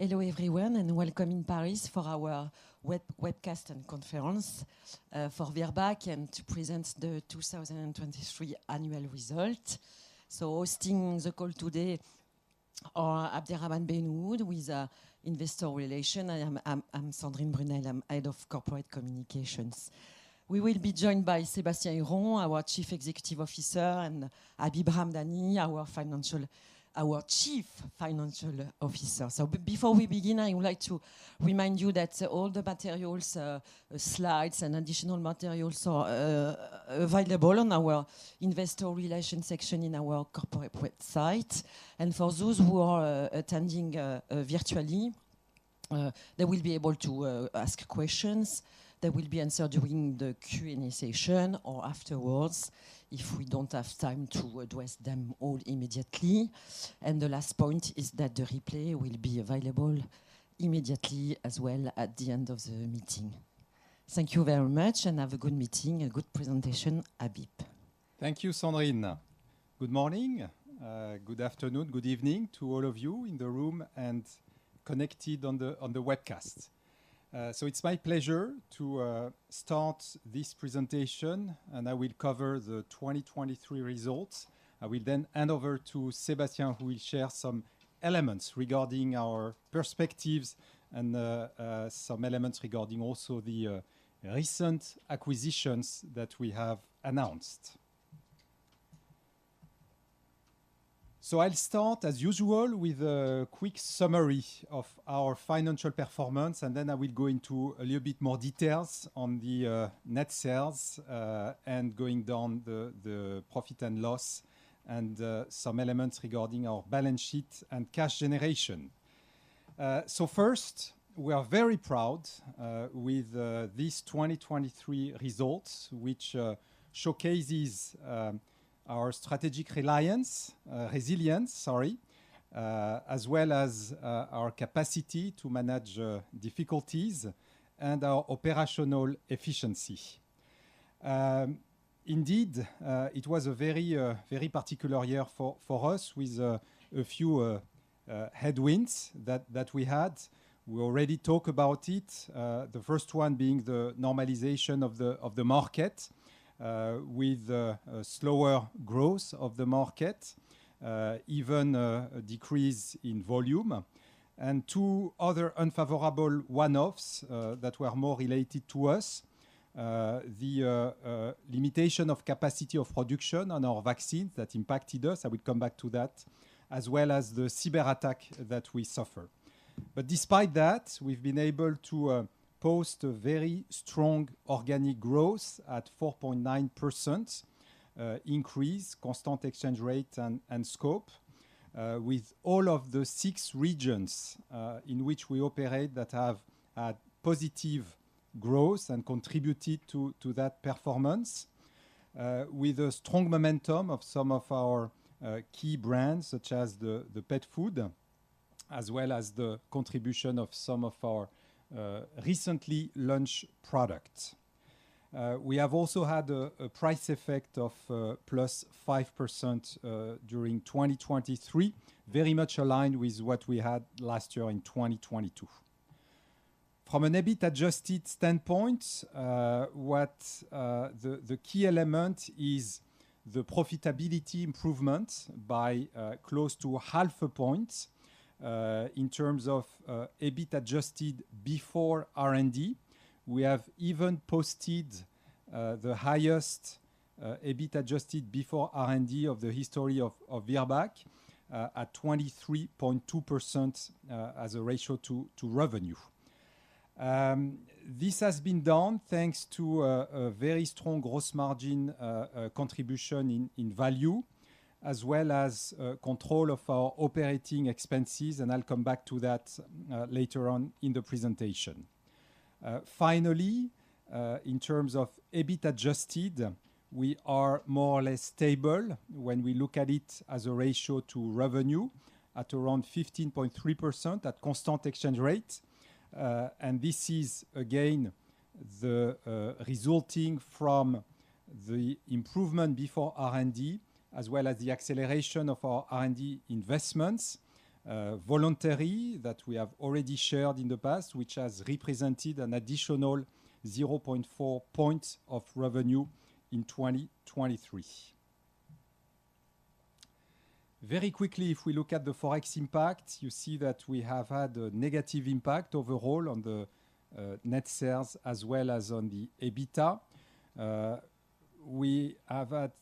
Hello everyone, and welcome in Paris for our webcast and conference for Virbac, and to present the 2023 annual result. Hosting the call today are Abderrahman Benoud with Investor Relations. I am Sandrine Brunet. I'm Head of Corporate Communications. We will be joined by Sébastien Huron, our Chief Executive Officer, and Habib Ramdani, our Chief Financial Officer. Before we begin, I would like to remind you that all the materials, slides and additional materials are available on our Investor Relations section in our corporate website. For those who are attending virtually, they will be able to ask questions that will be answered during the Q&A session or afterwards if we don't have time to address them all immediately. The last point is that the replay will be available immediately as well at the end of the meeting. Thank you very much, and have a good meeting, a good presentation, Habib. Thank you, Sandrine. Good morning, good afternoon, good evening to all of you in the room and connected on the webcast. So it's my pleasure to start this presentation, and I will cover the 2023 results. I will then hand over to Sébastien, who will share some elements regarding our perspectives and some elements regarding also the recent acquisitions that we have announced. So I'll start, as usual, with a quick summary of our financial performance, and then I will go into a little bit more details on the net sales, and going down the profit and loss and some elements regarding our balance sheet and cash generation. So first, we are very proud with these 2023 results, which showcases our strategic reliance, resilience, sorry, as well as our capacity to manage difficulties and our operational efficiency. Indeed, it was a very, very particular year for us with a few headwinds that we had. We already talk about it, the first one being the normalization of the market with a slower growth of the market, even a decrease in volume. And two other unfavorable one-offs that were more related to us, the limitation of capacity of production on our vaccines that impacted us, I will come back to that, as well as the cyberattack that we suffer. But despite that, we've been able to post a very strong organic growth at 4.9% increase constant exchange rate and scope, with all of the six regions in which we operate that have had positive growth and contributed to that performance. With a strong momentum of some of our key brands, such as the pet food, as well as the contribution of some of our recently launched products. We have also had a price effect of +5% during 2023, very much aligned with what we had last year in 2022. From an EBIT Adjusted standpoint, what the key element is the profitability improvement by close to half a point. In terms of EBIT Adjusted before R&D, we have even posted the highest EBIT Adjusted before R&D of the history of Virbac at 23.2% as a ratio to revenue. This has been done thanks to a very strong gross margin contribution in value, as well as control of our operating expenses, and I'll come back to that later on in the presentation. Finally, in terms of EBIT Adjusted, we are more or less stable when we look at it as a ratio to revenue at around 15.3% at constant exchange rate. And this is again the resulting from the improvement before R&D, as well as the acceleration of our R&D investments, voluntary, that we have already shared in the past, which has represented an additional 0.4 points of revenue in 2023. Very quickly, if we look at the Forex impact, you see that we have had a negative impact overall on the net sales as well as on the EBITA. We have had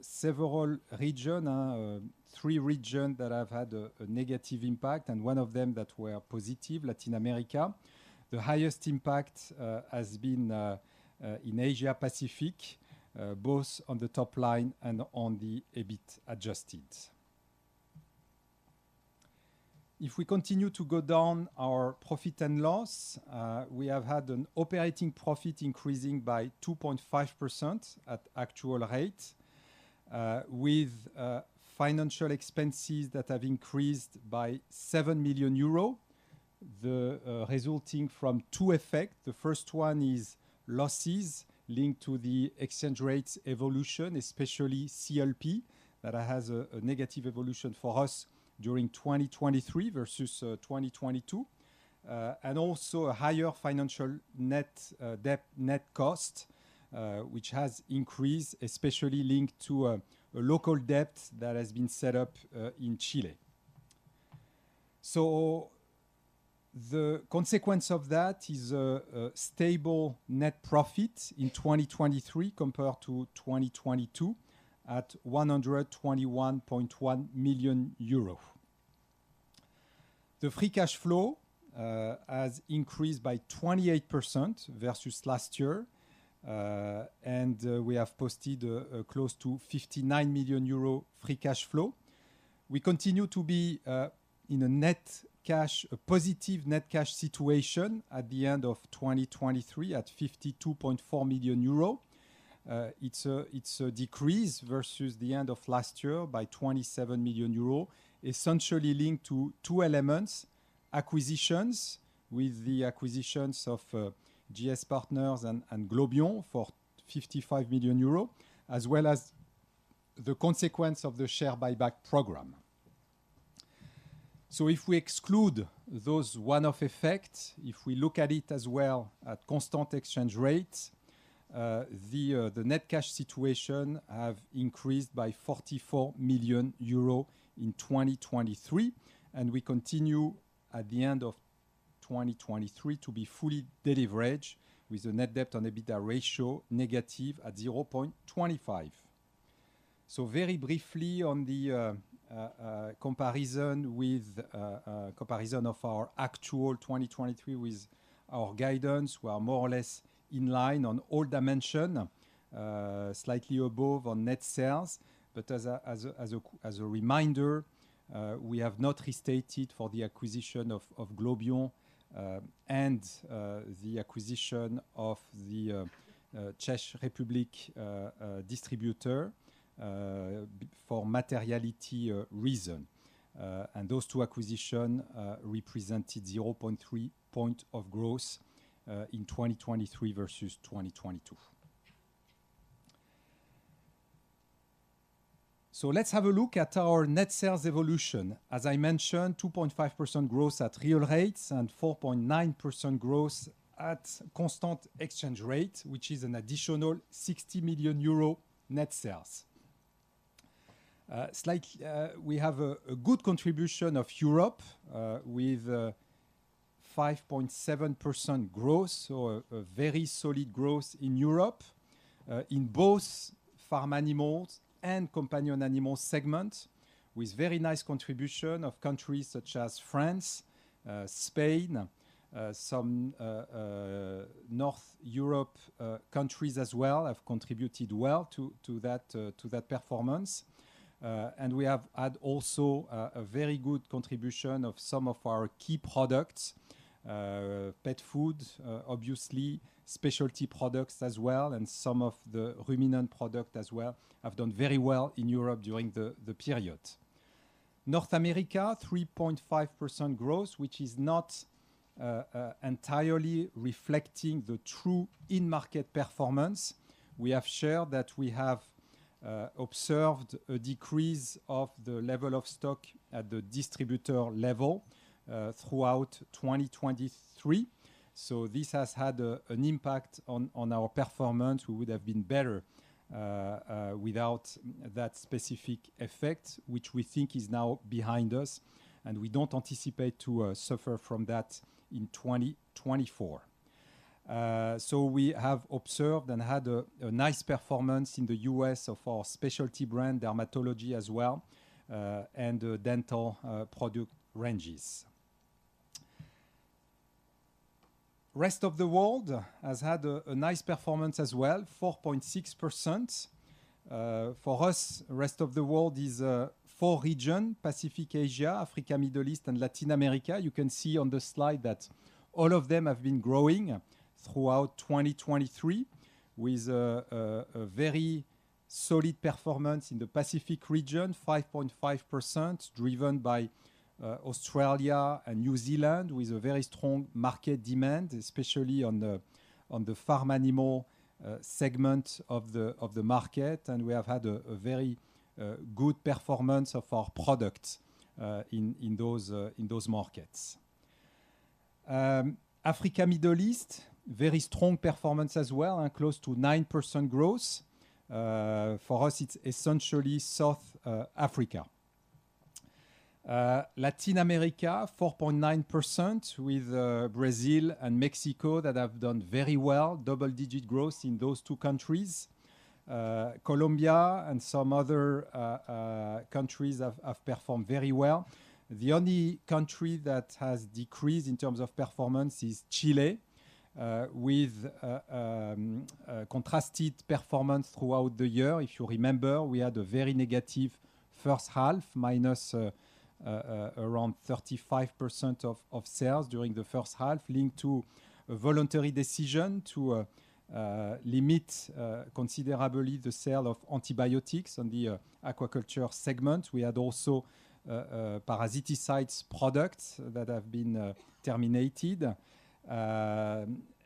several regions, three regions that have had a negative impact, and one of them that were positive, Latin America. The highest impact has been in Asia Pacific, both on the top line and on the EBIT Adjusted. If we continue to go down our profit and loss, we have had an operating profit increasing by 2.5% at actual rate, with financial expenses that have increased by 7 million euro, the resulting from two effect. The first one is losses linked to the exchange rates evolution, especially CLP, that has a negative evolution for us during 2023 versus 2022. And also a higher financial net debt net cost, which has increased, especially linked to a local debt that has been set up in Chile. So the consequence of that is a stable net profit in 2023 compared to 2022, at 121.1 million euro. The free cash flow has increased by 28% versus last year, and we have posted close to 59 million euro free cash flow. We continue to be in a net cash, a positive net cash situation at the end of 2023, at 52.4 million euro. It's a decrease versus the end of last year by 27 million euro, essentially linked to two elements: acquisitions, with the acquisitions of GS Partners and Globion for 55 million euros, as well as the consequence of the share buyback program. If we exclude those one-off effects, if we look at it as well at constant exchange rates, the net cash situation have increased by 44 million euro in 2023, and we continue at the end of 2023 to be fully de-leveraged, with a net debt on EBITDA ratio negative at 0.25. Very briefly on the comparison with comparison of our actual 2023 with our guidance, we are more or less in line on all dimension, slightly above on net sales. But as a reminder, we have not restated for the acquisition of Globion, and the acquisition of the Czech Republic distributor for materiality reason. And those two acquisitions represented 0.3 points of growth in 2023 versus 2022. Let's have a look at our net sales evolution. As I mentioned, 2.5% growth at real rates and 4.9% growth at constant exchange rate, which is an additional 60 million euro net sales. We have a good contribution of Europe with 5.7% growth, so a very solid growth in Europe in both farm animals and companion animals segment, with very nice contribution of countries such as France, Spain, some North Europe countries as well, have contributed well to that performance. We have had also a very good contribution of some of our key products, pet food, obviously specialty products as well, and some of the ruminant product as well, have done very well in Europe during the period. North America, 3.5% growth, which is not entirely reflecting the true in-market performance. We have shared that we have observed a decrease of the level of stock at the distributor level throughout 2023. So this has had an impact on our performance, we would have been better without that specific effect, which we think is now behind us, and we don't anticipate to suffer from that in 2024. So we have observed and had a nice performance in the U.S. of our specialty brand, dermatology as well, and the dental product ranges. Rest of the world has had a nice performance as well, 4.6%. For us, rest of the world is four region: Pacific, Asia, Africa, Middle East, and Latin America. You can see on the slide that all of them have been growing throughout 2023, with a very solid performance in the Pacific region, 5.5%, driven by Australia and New Zealand, with a very strong market demand, especially on the farm animal segment of the market. And we have had a very good performance of our products in those markets. Africa, Middle East, very strong performance as well, and close to 9% growth. For us, it's essentially South Africa. Latin America, 4.9%, with Brazil and Mexico that have done very well. Double-digit growth in those two countries. Colombia and some other countries have performed very well. The only country that has decreased in terms of performance is Chile, with a contrasted performance throughout the year. If you remember, we had a very negative first half, minus around 35% of sales during the first half, linked to a voluntary decision to limit considerably the sale of antibiotics on the aquaculture segment. We had also parasiticides products that have been terminated.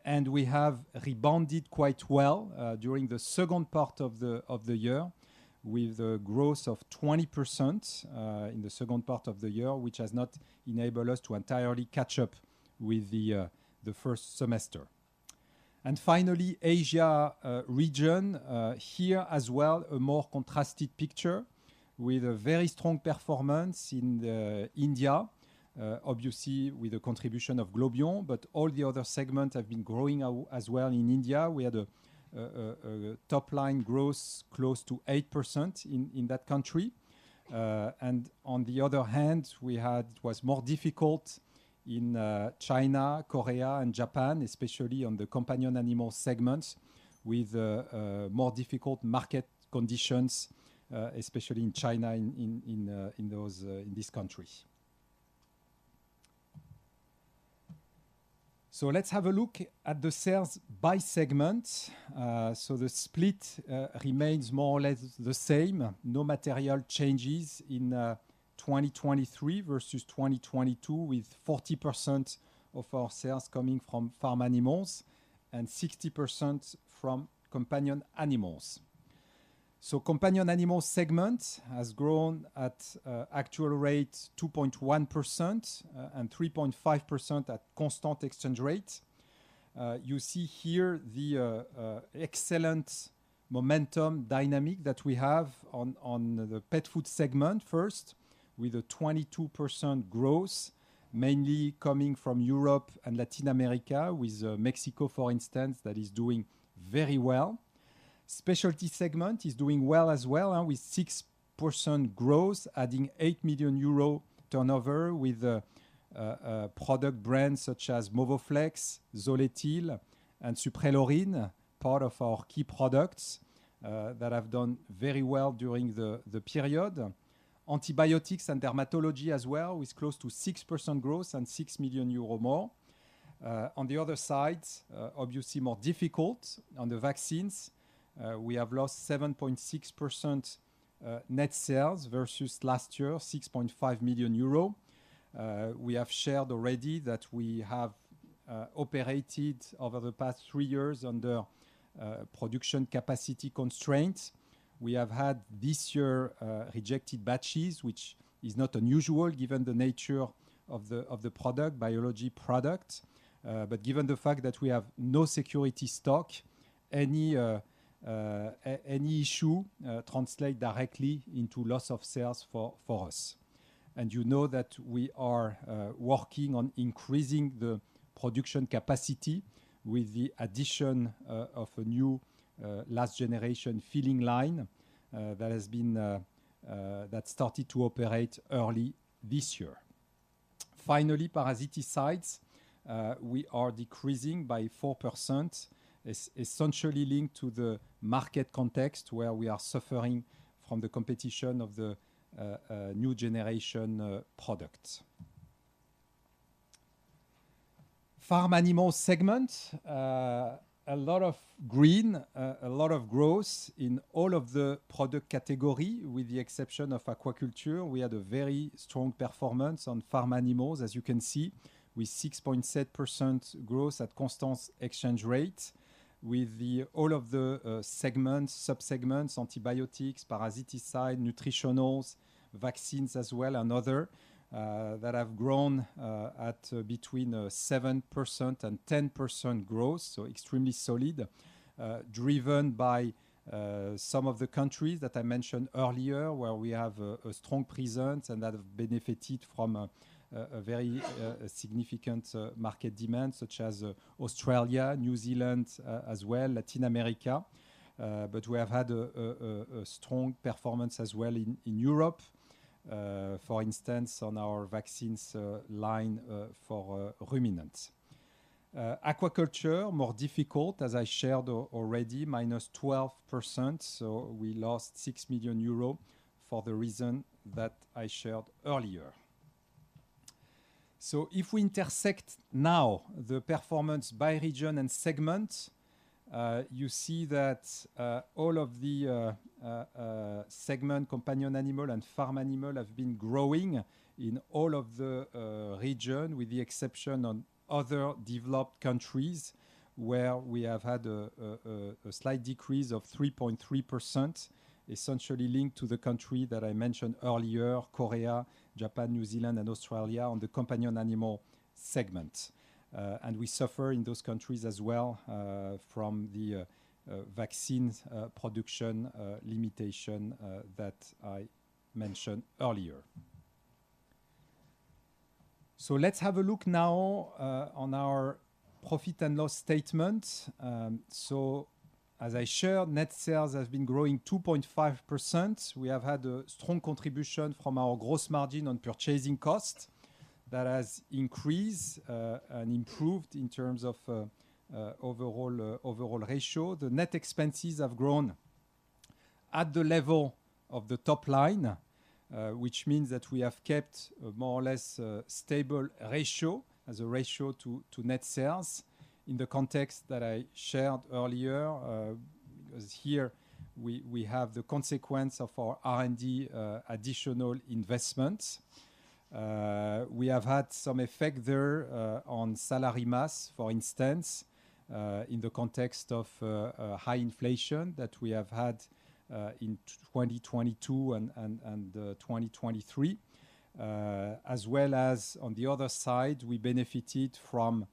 And we have rebounded quite well during the second part of the year, with a growth of 20%, in the second part of the year, which has not enabled us to entirely catch up with the first semester. And finally, Asia region, here as well, a more contrasted picture with a very strong performance in India, obviously, with the contribution of Globion, but all the other segments have been growing as well. In India, we had a top-line growth close to 8% in that country. And on the other hand, it was more difficult in China, Korea, and Japan, especially on the companion animal segment, with more difficult market conditions, especially in China, in this country. So let's have a look at the sales by segment. So the split remains more or less the same. No material changes in 2023 versus 2022, with 40% of our sales coming from farm animals and 60% from companion animals. So companion animal segment has grown at actual rate, 2.1%, and 3.5% at constant exchange rate. You see here the excellent momentum dynamic that we have on the pet food segment first, with a 22% growth, mainly coming from Europe and Latin America, with Mexico, for instance, that is doing very well. Specialty segment is doing well as well, with 6% growth, adding 8 million euro turnover with product brands such as MOVOFLEX, Zoletil, and Suprelorin, part of our key products that have done very well during the period. Antibiotics and dermatology as well, with close to 6% growth and 6 million euro more. On the other side, obviously more difficult on the vaccines, we have lost 7.6% net sales versus last year, 6.5 million euro. We have shared already that we have operated over the past three years under production capacity constraints. We have had, this year, rejected batches, which is not unusual given the nature of the product, biology product. But given the fact that we have no security stock, any issue translate directly into loss of sales for us. And you know that we are working on increasing the production capacity with the addition of a new last generation filling line that started to operate early this year. Finally, parasiticides, we are decreasing by 4%, essentially linked to the market context, where we are suffering from the competition of the new generation products. Farm animal segment, a lot of green, a lot of growth in all of the product category, with the exception of aquaculture. We had a very strong performance on farm animals, as you can see, with 6.7% growth at constant exchange rate, with all of the segments, sub-segments, antibiotics, parasiticides, nutritionals, vaccines as well, and other that have grown at between 7% and 10% growth, so extremely solid. Driven by some of the countries that I mentioned earlier, where we have a strong presence and that have benefited from a very significant market demand, such as Australia, New Zealand as well, Latin America. But we have had a strong performance as well in Europe, for instance, on our vaccines line for ruminants. Aquaculture, more difficult, as I shared already, minus 12%, so we lost 6 million euro for the reason that I shared earlier. So if we intersect now the performance by region and segment, you see that all of the segment, companion animal and farm animal, have been growing in all of the region, with the exception on other developed countries, where we have had a slight decrease of 3.3%, essentially linked to the country that I mentioned earlier, Korea, Japan, New Zealand, and Australia, on the companion animal segment. And we suffer in those countries as well from the vaccines production limitation that I mentioned earlier. So let's have a look now on our profit and loss statement. So as I shared, net sales have been growing 2.5%. We have had a strong contribution from our gross margin on purchasing costs. That has increased, and improved in terms of, overall, overall ratio. The net expenses have grown at the level of the top line, which means that we have kept a more or less, stable ratio as a ratio to, to net sales, in the context that I shared earlier. Because here we, we have the consequence of our R&D, additional investment. We have had some effect there, on salary mass, for instance, in the context of, high inflation that we have had, in 2022 and, and, 2023. As well as on the other side, we benefited from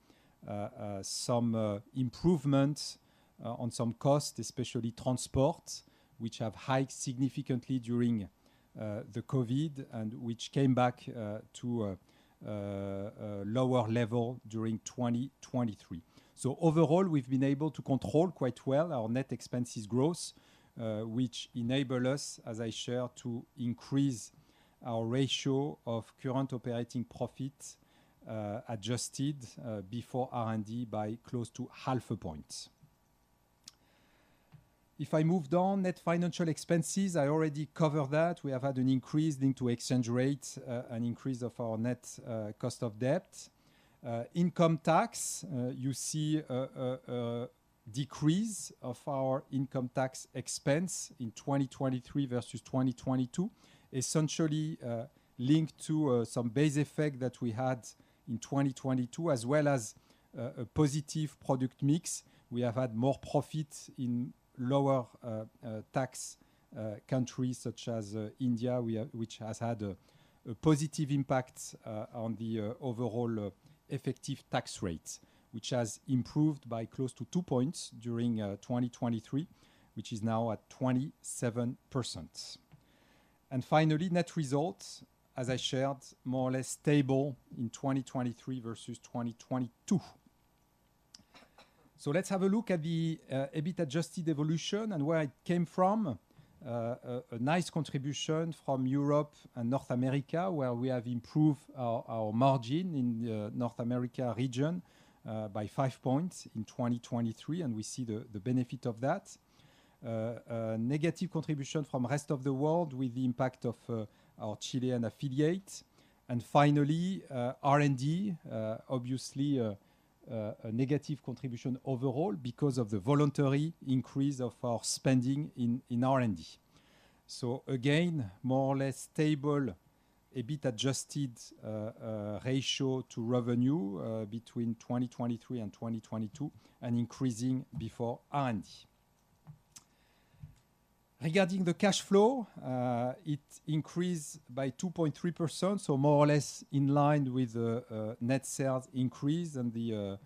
some improvements on some costs, especially transport, which have hiked significantly during the COVID, and which came back to a lower level during 2023. So overall, we've been able to control quite well our net expenses growth, which enable us, as I shared, to increase our ratio of current operating profit, adjusted, before R&D by close to half a point. If I move down, net financial expenses, I already covered that. We have had an increase linked to exchange rates, an increase of our net cost of debt. Income tax, you see a decrease of our income tax expense in 2023 versus 2022. Essentially, linked to some base effect that we had in 2022, as well as a positive product mix. We have had more profits in lower tax countries such as India, which has had a positive impact on the overall effective tax rate. Which has improved by close to two points during 2023, which is now at 27%. And finally, net results, as I shared, more or less stable in 2023 versus 2022. So let's have a look at the EBIT Adjusted evolution and where it came from. A nice contribution from Europe and North America, where we have improved our margin in the North America region by five points in 2023, and we see the benefit of that. A negative contribution from rest of the world with the impact of our Chilean affiliate. And finally, R&D, obviously, a negative contribution overall because of the voluntary increase of our spending in R&D. So again, more or less stable, EBIT Adjusted ratio to revenue between 2023 and 2022, and increasing before R&D. Regarding the cash flow, it increased by 2.3%, so more or less in line with the net sales increase and the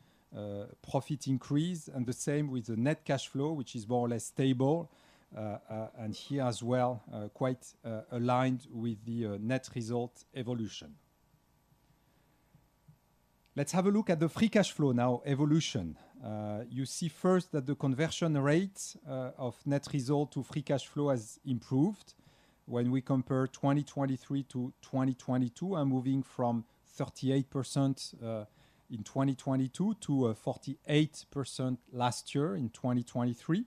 profit increase, and the same with the net cash flow, which is more or less stable. And here as well, quite aligned with the net result evolution. Let's have a look at the free cash flow now, evolution. You see first that the conversion rate of net result to free cash flow has improved when we compare 2023 to 2022, and moving from 38% in 2022 to 48% last year, in 2023.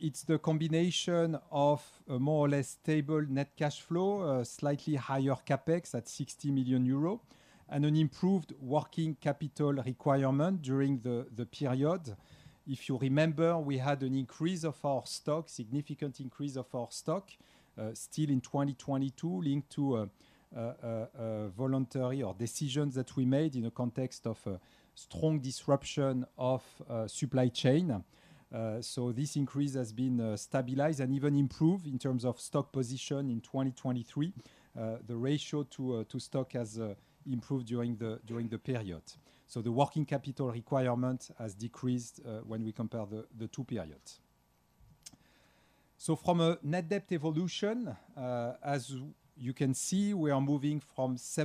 It's the combination of a more or less stable net cash flow, a slightly higher CapEx at 60 million euros, and an improved working capital requirement during the period. If you remember, we had an increase of our stock, significant increase of our stock, still in 2022, linked to a voluntary or decisions that we made in the context of a strong disruption of supply chain. So this increase has been stabilized and even improved in terms of stock position in 2023. The ratio to stock has improved during the period. So the working capital requirement has decreased when we compare the two periods. So from a net debt evolution, as you can see, we are moving from minus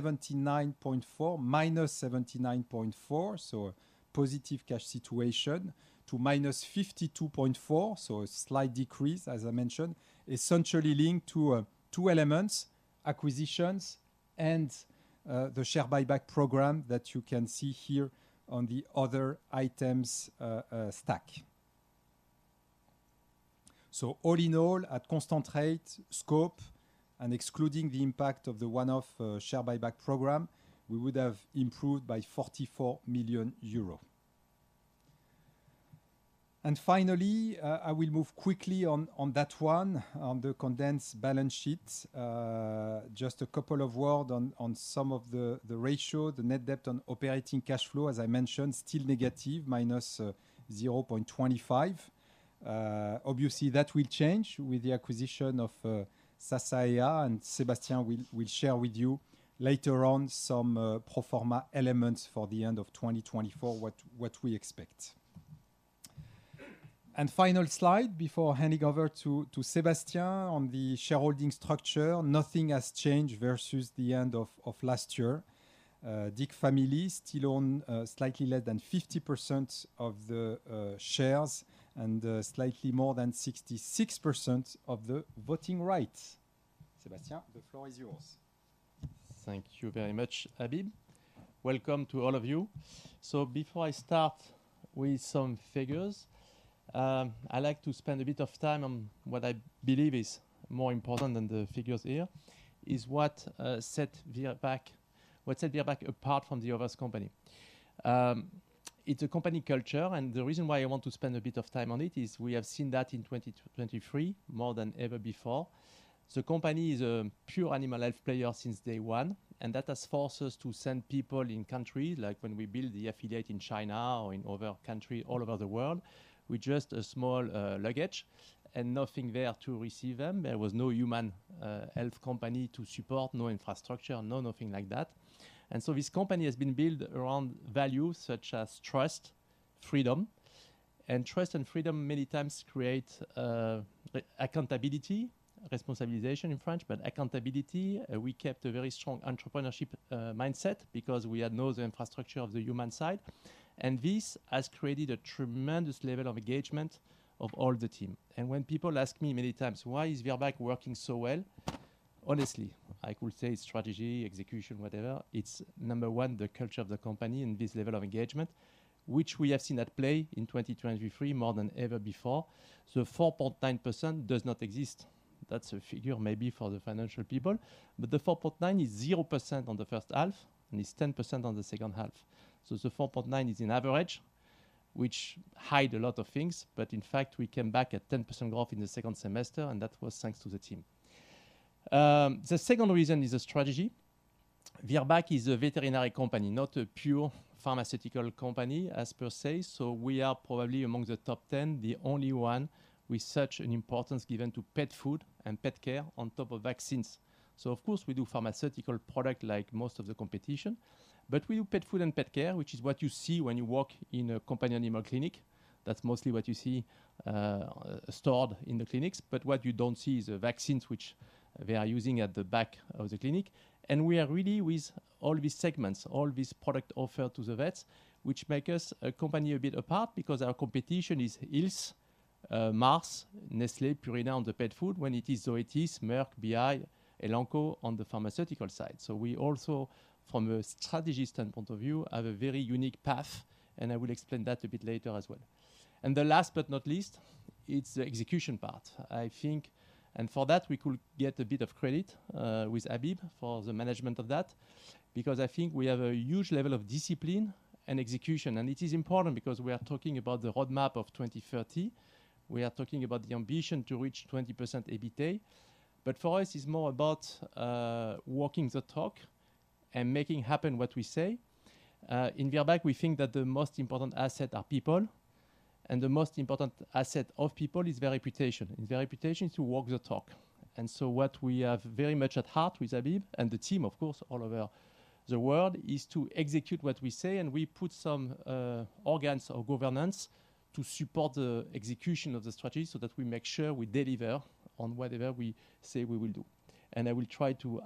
79.4, so a positive cash situation, to minus 52.4, so a slight decrease, as I mentioned. Essentially linked to two elements: acquisitions and the share buyback program that you can see here on the other items, stack. So all in all, at constant rate, scope, and excluding the impact of the one-off share buyback program, we would have improved by 44 million euros. Finally, I will move quickly on that one, on the condensed balance sheet. Just a couple of words on some of the ratio, the net debt on operating cash flow, as I mentioned, still negative, minus 0.25. Obviously, that will change with the acquisition of Sasaeah, and Sébastien will share with you later on some pro forma elements for the end of 2024, what we expect. Final slide before handing over to Sébastien on the shareholding structure. Nothing has changed versus the end of last year. Dick family still own slightly less than 50% of the shares, and slightly more than 66% of the voting rights. Sébastien, the floor is yours. Thank you very much, Habib. Welcome to all of you. Before I start with some figures, I'd like to spend a bit of time on what I believe is more important than the figures here, is what set Virbac apart from the other company. It's a company culture, and the reason why I want to spend a bit of time on it is we have seen that in 2023, more than ever before. The company is a pure animal health player since day one, and that has forced us to send people in countries, like when we build the affiliate in China or in other country all over the world, with just a small luggage and nothing there to receive them. There was no human health company to support, no infrastructure, no nothing like that. This company has been built around values such as trust, freedom, and trust and freedom many times create accountability, responsabilisation in French, but accountability. We kept a very strong entrepreneurship mindset because we had no the infrastructure of the human side, and this has created a tremendous level of engagement of all the team. When people ask me many times, "Why is Virbac working so well?" Honestly, I could say strategy, execution, whatever. It's number one, the culture of the company and this level of engagement, which we have seen at play in 2023 more than ever before. So 4.9% does not exist. That's a figure maybe for the financial people, but the 4.9% is 0% on the first half and is 10% on the second half. So the 4.9 is an average, which hide a lot of things, but in fact, we came back at 10% growth in the second semester, and that was thanks to the team. The second reason is the strategy. Virbac is a veterinary company, not a pure pharmaceutical company, as per se. So we are probably among the top 10, the only one with such an importance given to pet food and pet care on top of vaccines. So of course, we do pharmaceutical product like most of the competition, but we do pet food and pet care, which is what you see when you walk in a companion animal clinic. That's mostly what you see, stored in the clinics, but what you don't see is the vaccines which they are using at the back of the clinic. We are really with all these segments, all these products offered to the vets, which make us a company a bit apart, because our competition is Hill's, Mars, Nestlé, Purina, on the pet food when it is Zoetis, Merck, BI, Elanco on the pharmaceutical side. So we also, from a strategy standpoint of view, have a very unique path, and I will explain that a bit later as well. And the last but not least, it's the execution part. I think... And for that, we could get a bit of credit, with Habib for the management of that, because I think we have a huge level of discipline and execution. And it is important because we are talking about the roadmap of 2030. We are talking about the ambition to reach 20% EBITA, but for us, it's more about walking the talk and making happen what we say. In Virbac, we think that the most important asset are people, and the most important asset of people is their reputation, and their reputation to walk the talk. And so what we have very much at heart with Habib and the team, of course, all over the world, is to execute what we say, and we put some organs of governance to support the execution of the strategy so that we make sure we deliver on whatever we say we will do. And I will try to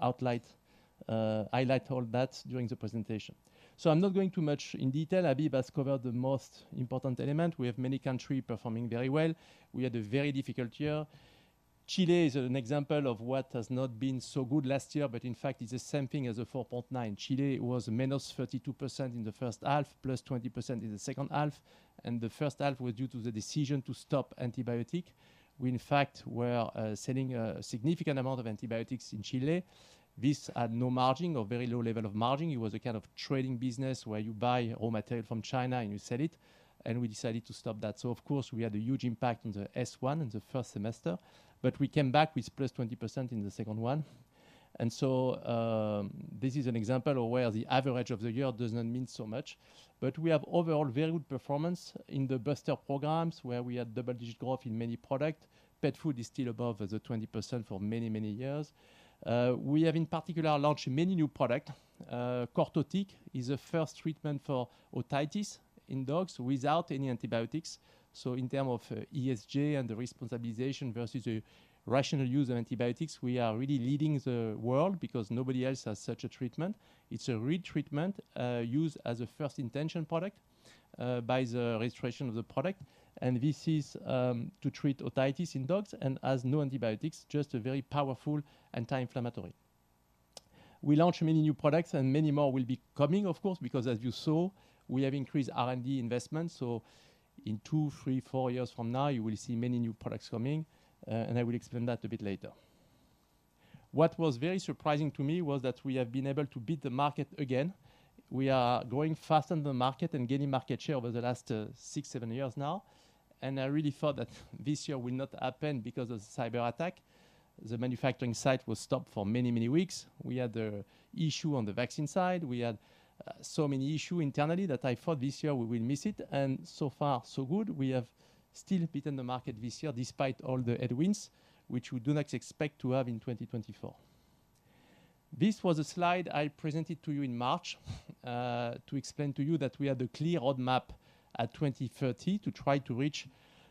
highlight all that during the presentation. So I'm not going too much in detail. Habib has covered the most important element. We have many country performing very well. We had a very difficult year. Chile is an example of what has not been so good last year, but in fact, it's the same thing as the 4.9. Chile was -32% in the first half, +20% in the second half, and the first half was due to the decision to stop antibiotic. We, in fact, were selling a significant amount of antibiotics in Chile. This had no margin or very low level of margin. It was a kind of trading business where you buy raw material from China, and you sell it, and we decided to stop that. So of course, we had a huge impact in the S1, in the first semester, but we came back with +20% in the second one. This is an example of where the average of the year does not mean so much. But we have overall very good performance in the booster programs, where we had double-digit growth in many product. Pet food is still above the 20% for many, many years. We have in particular launched many new product. Cortotic is a first treatment for otitis in dogs without any antibiotics. So in terms of ESG and the responsibilization versus a rational use of antibiotics, we are really leading the world because nobody else has such a treatment. It's a re-treatment used as a first-intention product by the registration of the product. And this is to treat otitis in dogs and has no antibiotics, just a very powerful anti-inflammatory. We launched many new products, and many more will be coming, of course, because as you saw, we have increased R&D investment. So in 2, 3, 4 years from now, you will see many new products coming, and I will explain that a bit later. What was very surprising to me was that we have been able to beat the market again. We are growing faster than the market and gaining market share over the last, 6, 7 years now. And I really thought that this year will not happen because of the cyberattack. The manufacturing site was stopped for many, many weeks. We had a issue on the vaccine side. We had, so many issue internally that I thought this year we will miss it, and so far, so good. We have still beaten the market this year, despite all the headwinds, which we do not expect to have in 2024. This was a slide I presented to you in March to explain to you that we had a clear roadmap at 2030 to try to reach,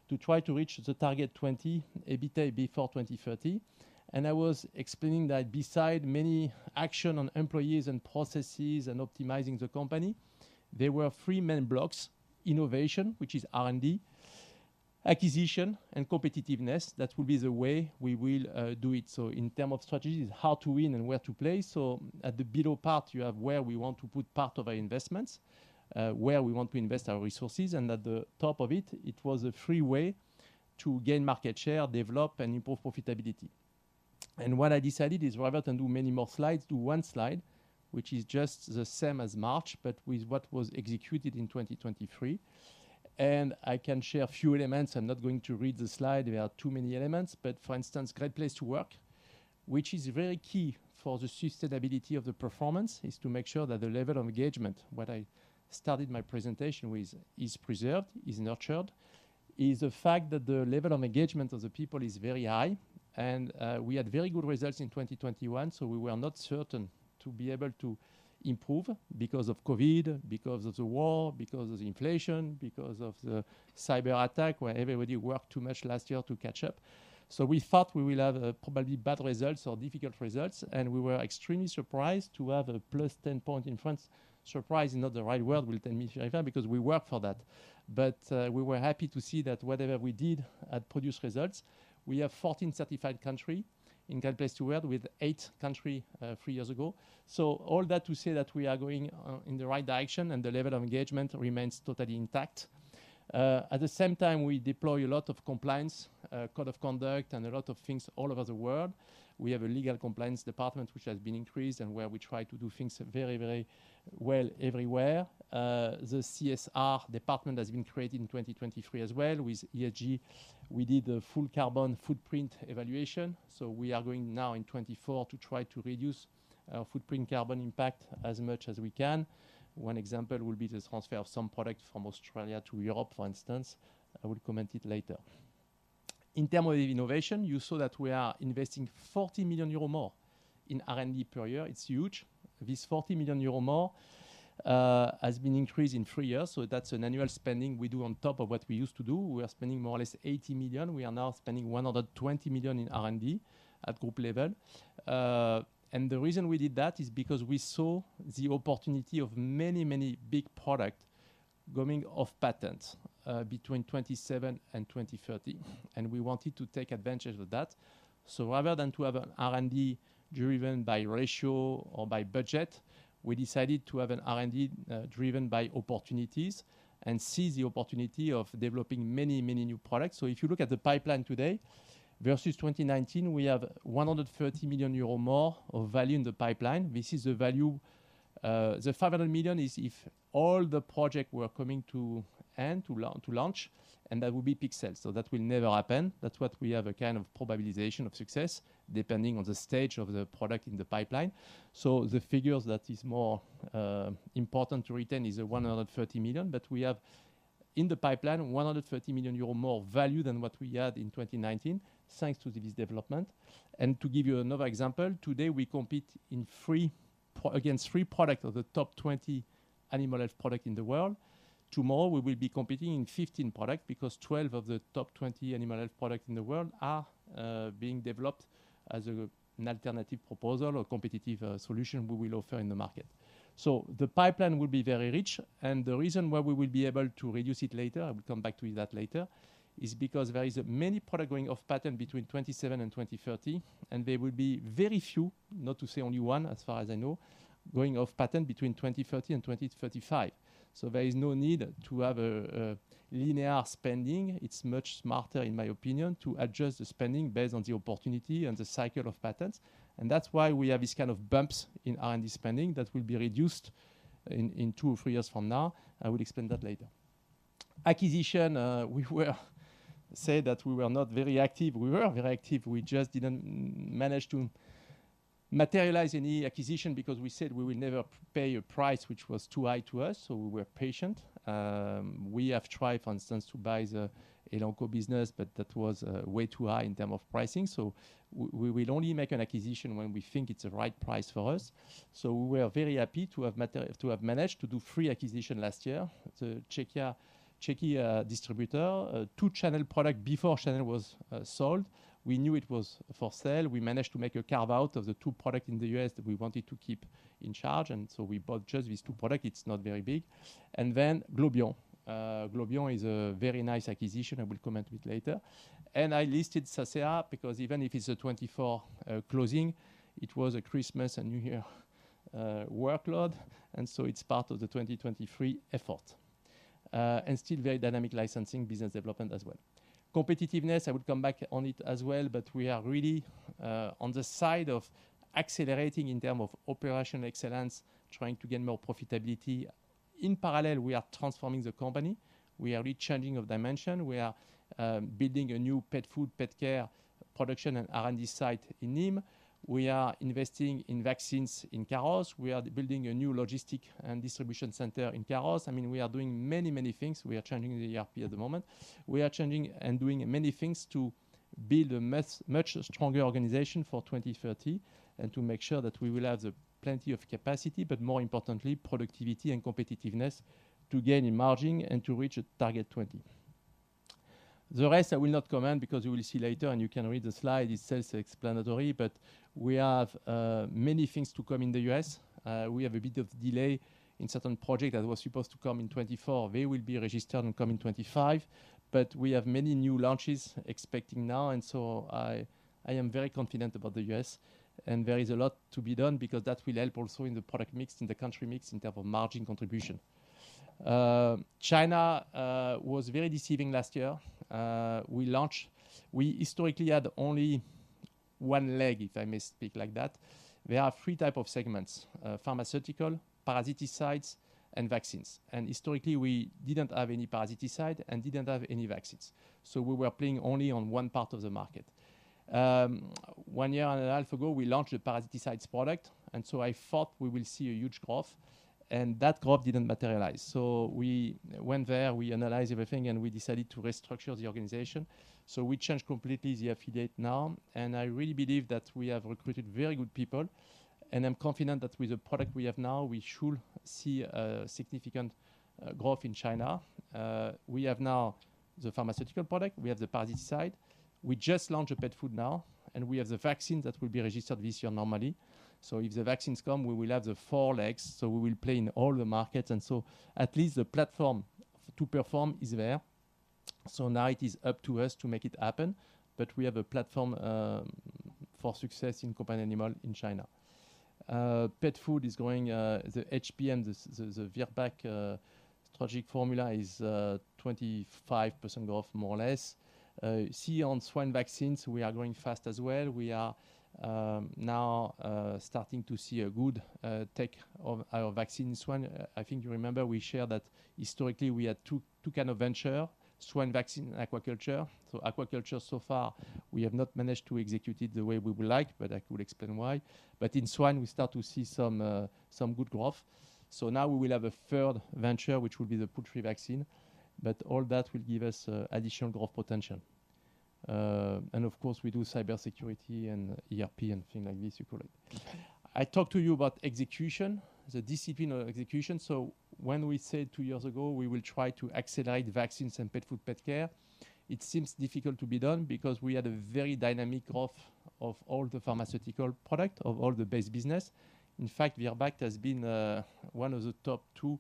to try to reach the target 20, EBITA before 2030. I was explaining that besides many actions on employees and processes and optimizing the company, there were three main blocks: innovation, which is R&D, acquisition, and competitiveness. That will be the way we will do it. In terms of strategies, how to win and where to play. So at the below part, you have where we want to put part of our investments, where we want to invest our resources, and at the top of it, it was a three-way to gain market share, develop, and improve profitability. And what I decided is rather than do many more slides, do one slide, which is just the same as March, but with what was executed in 2023. And I can share a few elements. I'm not going to read the slide. There are too many elements, but for instance, Great Place to Work, which is very key for the sustainability of the performance, is to make sure that the level of engagement, what I started my presentation with, is preserved, is nurtured, is the fact that the level of engagement of the people is very high. We had very good results in 2021, so we were not certain to be able to improve because of COVID, because of the war, because of the inflation, because of the cyberattack, where everybody worked too much last year to catch up. So we thought we will have probably bad results or difficult results, and we were extremely surprised to have a +10% in France. Surprised is not the right word, will tell me if I, because we worked for that. But we were happy to see that whatever we did had produced results. We have 14 certified countries in Great Place to Work, with 8 countries three years ago. So all that to say that we are going in the right direction and the level of engagement remains totally intact. At the same time, we deploy a lot of compliance, code of conduct and a lot of things all over the world. We have a legal compliance department, which has been increased and where we try to do things very, very well everywhere. The CSR department has been created in 2023 as well. With ESG, we did a full carbon footprint evaluation, so we are going now in 2024 to try to reduce our footprint carbon impact as much as we can. One example will be the transfer of some products from Australia to Europe, for instance. I will comment it later. In term of innovation, you saw that we are investing 40 million euro more in R&D per year. It's huge. This 40 million euro more has been increased in three years, so that's an annual spending we do on top of what we used to do. We are spending more or less 80 million. We are now spending 120 million in R&D at group level. And the reason we did that is because we saw the opportunity of many, many big product going off patent between 2027 and 2030, and we wanted to take advantage of that. So rather than to have an R&D driven by ratio or by budget, we decided to have an R&D driven by opportunities and seize the opportunity of developing many, many new products. So if you look at the pipeline today versus 2019, we have 130 million euro more of value in the pipeline. This is a value... The 500 million is if all the projects were coming to end, to launch, and that would be big sales. So that will never happen. That's what we have a kind of probabilization of success, depending on the stage of the product in the pipeline. So the figures that is more important to retain is the 130 million, but we have in the pipeline, 130 million euro more value than what we had in 2019, thanks to this development. And to give you another example, today, we compete in three products against three products of the top 20 animal health products in the world. Tomorrow, we will be competing in 15 product because 12 of the top 20 animal health product in the world are being developed as a, an alternative proposal or competitive solution we will offer in the market. So the pipeline will be very rich, and the reason why we will be able to reduce it later, I will come back to that later, is because there is many product going off patent between 2027 and 2030, and there will be very few, not to say only one, as far as I know, going off patent between 2030 and 2035. So there is no need to have a linear spending. It's much smarter, in my opinion, to adjust the spending based on the opportunity and the cycle of patents. And that's why we have these kind of bumps in R&D spending that will be reduced in, in two or three years from now. I will explain that later. Acquisition, we were say that we were not very active. We were very active. We just didn't manage to materialize any acquisition because we said we will never pay a price which was too high to us, so we were patient. We have tried, for instance, to buy the Elanco business, but that was way too high in term of pricing. So we will only make an acquisition when we think it's the right price for us. So we are very happy to have to have managed to do three acquisition last year. The Czechia, Czechia, distributor, two Channel product before Channel was sold. We knew it was for sale. We managed to make a carve-out of the two products in the U.S. that we wanted to keep in charge, and so we bought just these two products. It's not very big. And then Globion. Globion is a very nice acquisition. I will comment it later. And I listed Sasaeah, because even if it's a 2024, closing, it was a Christmas and New Year, workload, and so it's part of the 2023 effort. And still very dynamic licensing business development as well. Competitiveness, I will come back on it as well, but we are really, on the side of accelerating in term of operation excellence, trying to gain more profitability. In parallel, we are transforming the company. We are rechanging of dimension. We are, building a new pet food, pet care, production, and R&D site in Nîmes. We are investing in vaccines in Carros. We are building a new logistic and distribution center in Carros. I mean, we are doing many, many things. We are changing the ERP at the moment. We are changing and doing many things to build a much, much stronger organization for 2030 and to make sure that we will have the plenty of capacity, but more importantly, productivity and competitiveness to gain in margin and to reach a target 20. The rest, I will not comment because you will see later and you can read the slide. It says explanatory, but we have many things to come in the U.S. We have a bit of delay in certain project that was supposed to come in 2024. They will be registered and come in 2025, but we have many new launches expecting now, and so I, I am very confident about the U.S. And there is a lot to be done because that will help also in the product mix, in the country mix, in term of margin contribution. China was very deceiving last year. We launched—we historically had only one leg, if I may speak like that. There are three type of segments: pharmaceutical, parasiticides, and vaccines. And historically, we didn't have any parasiticide and didn't have any vaccines. So we were playing only on one part of the market. One year and a half ago, we launched a parasiticides product, and so I thought we will see a huge growth, and that growth didn't materialize. So we went there, we analyzed everything, and we decided to restructure the organization. So we changed completely the affiliate now, and I really believe that we have recruited very good people, and I'm confident that with the product we have now, we should see a significant growth in China. We have now the pharmaceutical product, we have the parasiticide. We just launched a pet food now, and we have the vaccine that will be registered this year, normally. So if the vaccines come, we will have the four legs, so we will play in all the markets, and so at least the platform to perform is there. So now it is up to us to make it happen, but we have a platform for success in companion animal in China. Pet food is growing, the HPM, the Virbac strategic formula is 25% growth, more or less. So, on swine vaccines, we are growing fast as well. We are now starting to see a good uptake of our swine vaccine. I think you remember we shared that historically we had two kinds of verticals, swine vaccine and aquaculture. So aquaculture, so far, we have not managed to execute it the way we would like, but I could explain why. But in swine, we start to see some good growth. So now we will have a third vertical, which will be the poultry vaccine, but all that will give us additional growth potential. And of course, we do cybersecurity and ERP and things like this, you call it. I talked to you about execution, the discipline of execution. So when we said two years ago, we will try to accelerate vaccines and pet food, pet care, it seems difficult to be done because we had a very dynamic growth of all the pharmaceutical product, of all the base business. In fact, Virbac has been one of the top two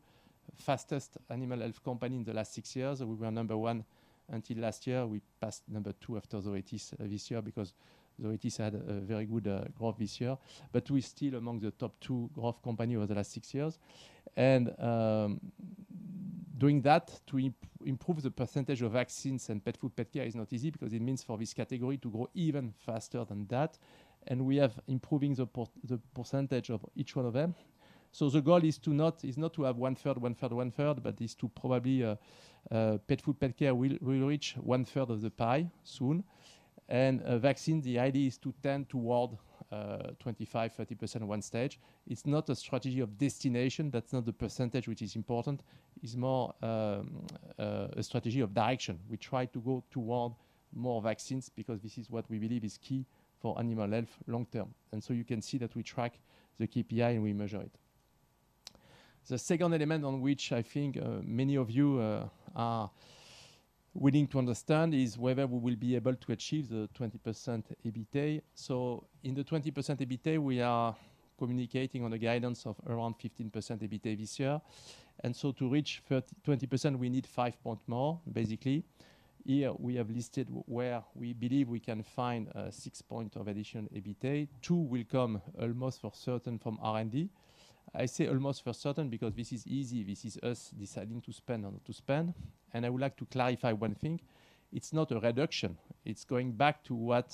fastest animal health company in the last six years. We were number one until last year. We passed number two after Zoetis this year, because Zoetis had a very good growth this year. But we're still among the top two growth company over the last six years. And doing that to improve the percentage of vaccines and pet food, pet care is not easy, because it means for this category to grow even faster than that. And we have improving the percentage of each one of them. So the goal is to not, is not to have one third, one third, one third, but is to probably pet food, pet care will, will reach one third of the pie soon. And vaccine, the idea is to tend toward 25-30% at one stage. It's not a strategy of destination. That's not the percentage which is important. It's more a strategy of direction. We try to go toward more vaccines because this is what we believe is key for animal health long term. And so you can see that we track the KPI and we measure it. The second element on which I think many of you are willing to understand is whether we will be able to achieve the 20% EBITA. So in the 20% EBITA, we are communicating on a guidance of around 15% EBITA this year. To reach 20%, we need 5 points more, basically. Here, we have listed where we believe we can find 6 points of additional EBITA. Two will come almost for certain from R&D. I say almost for certain because this is easy. This is us deciding to spend or not to spend. I would like to clarify one thing: It's not a reduction. It's going back to what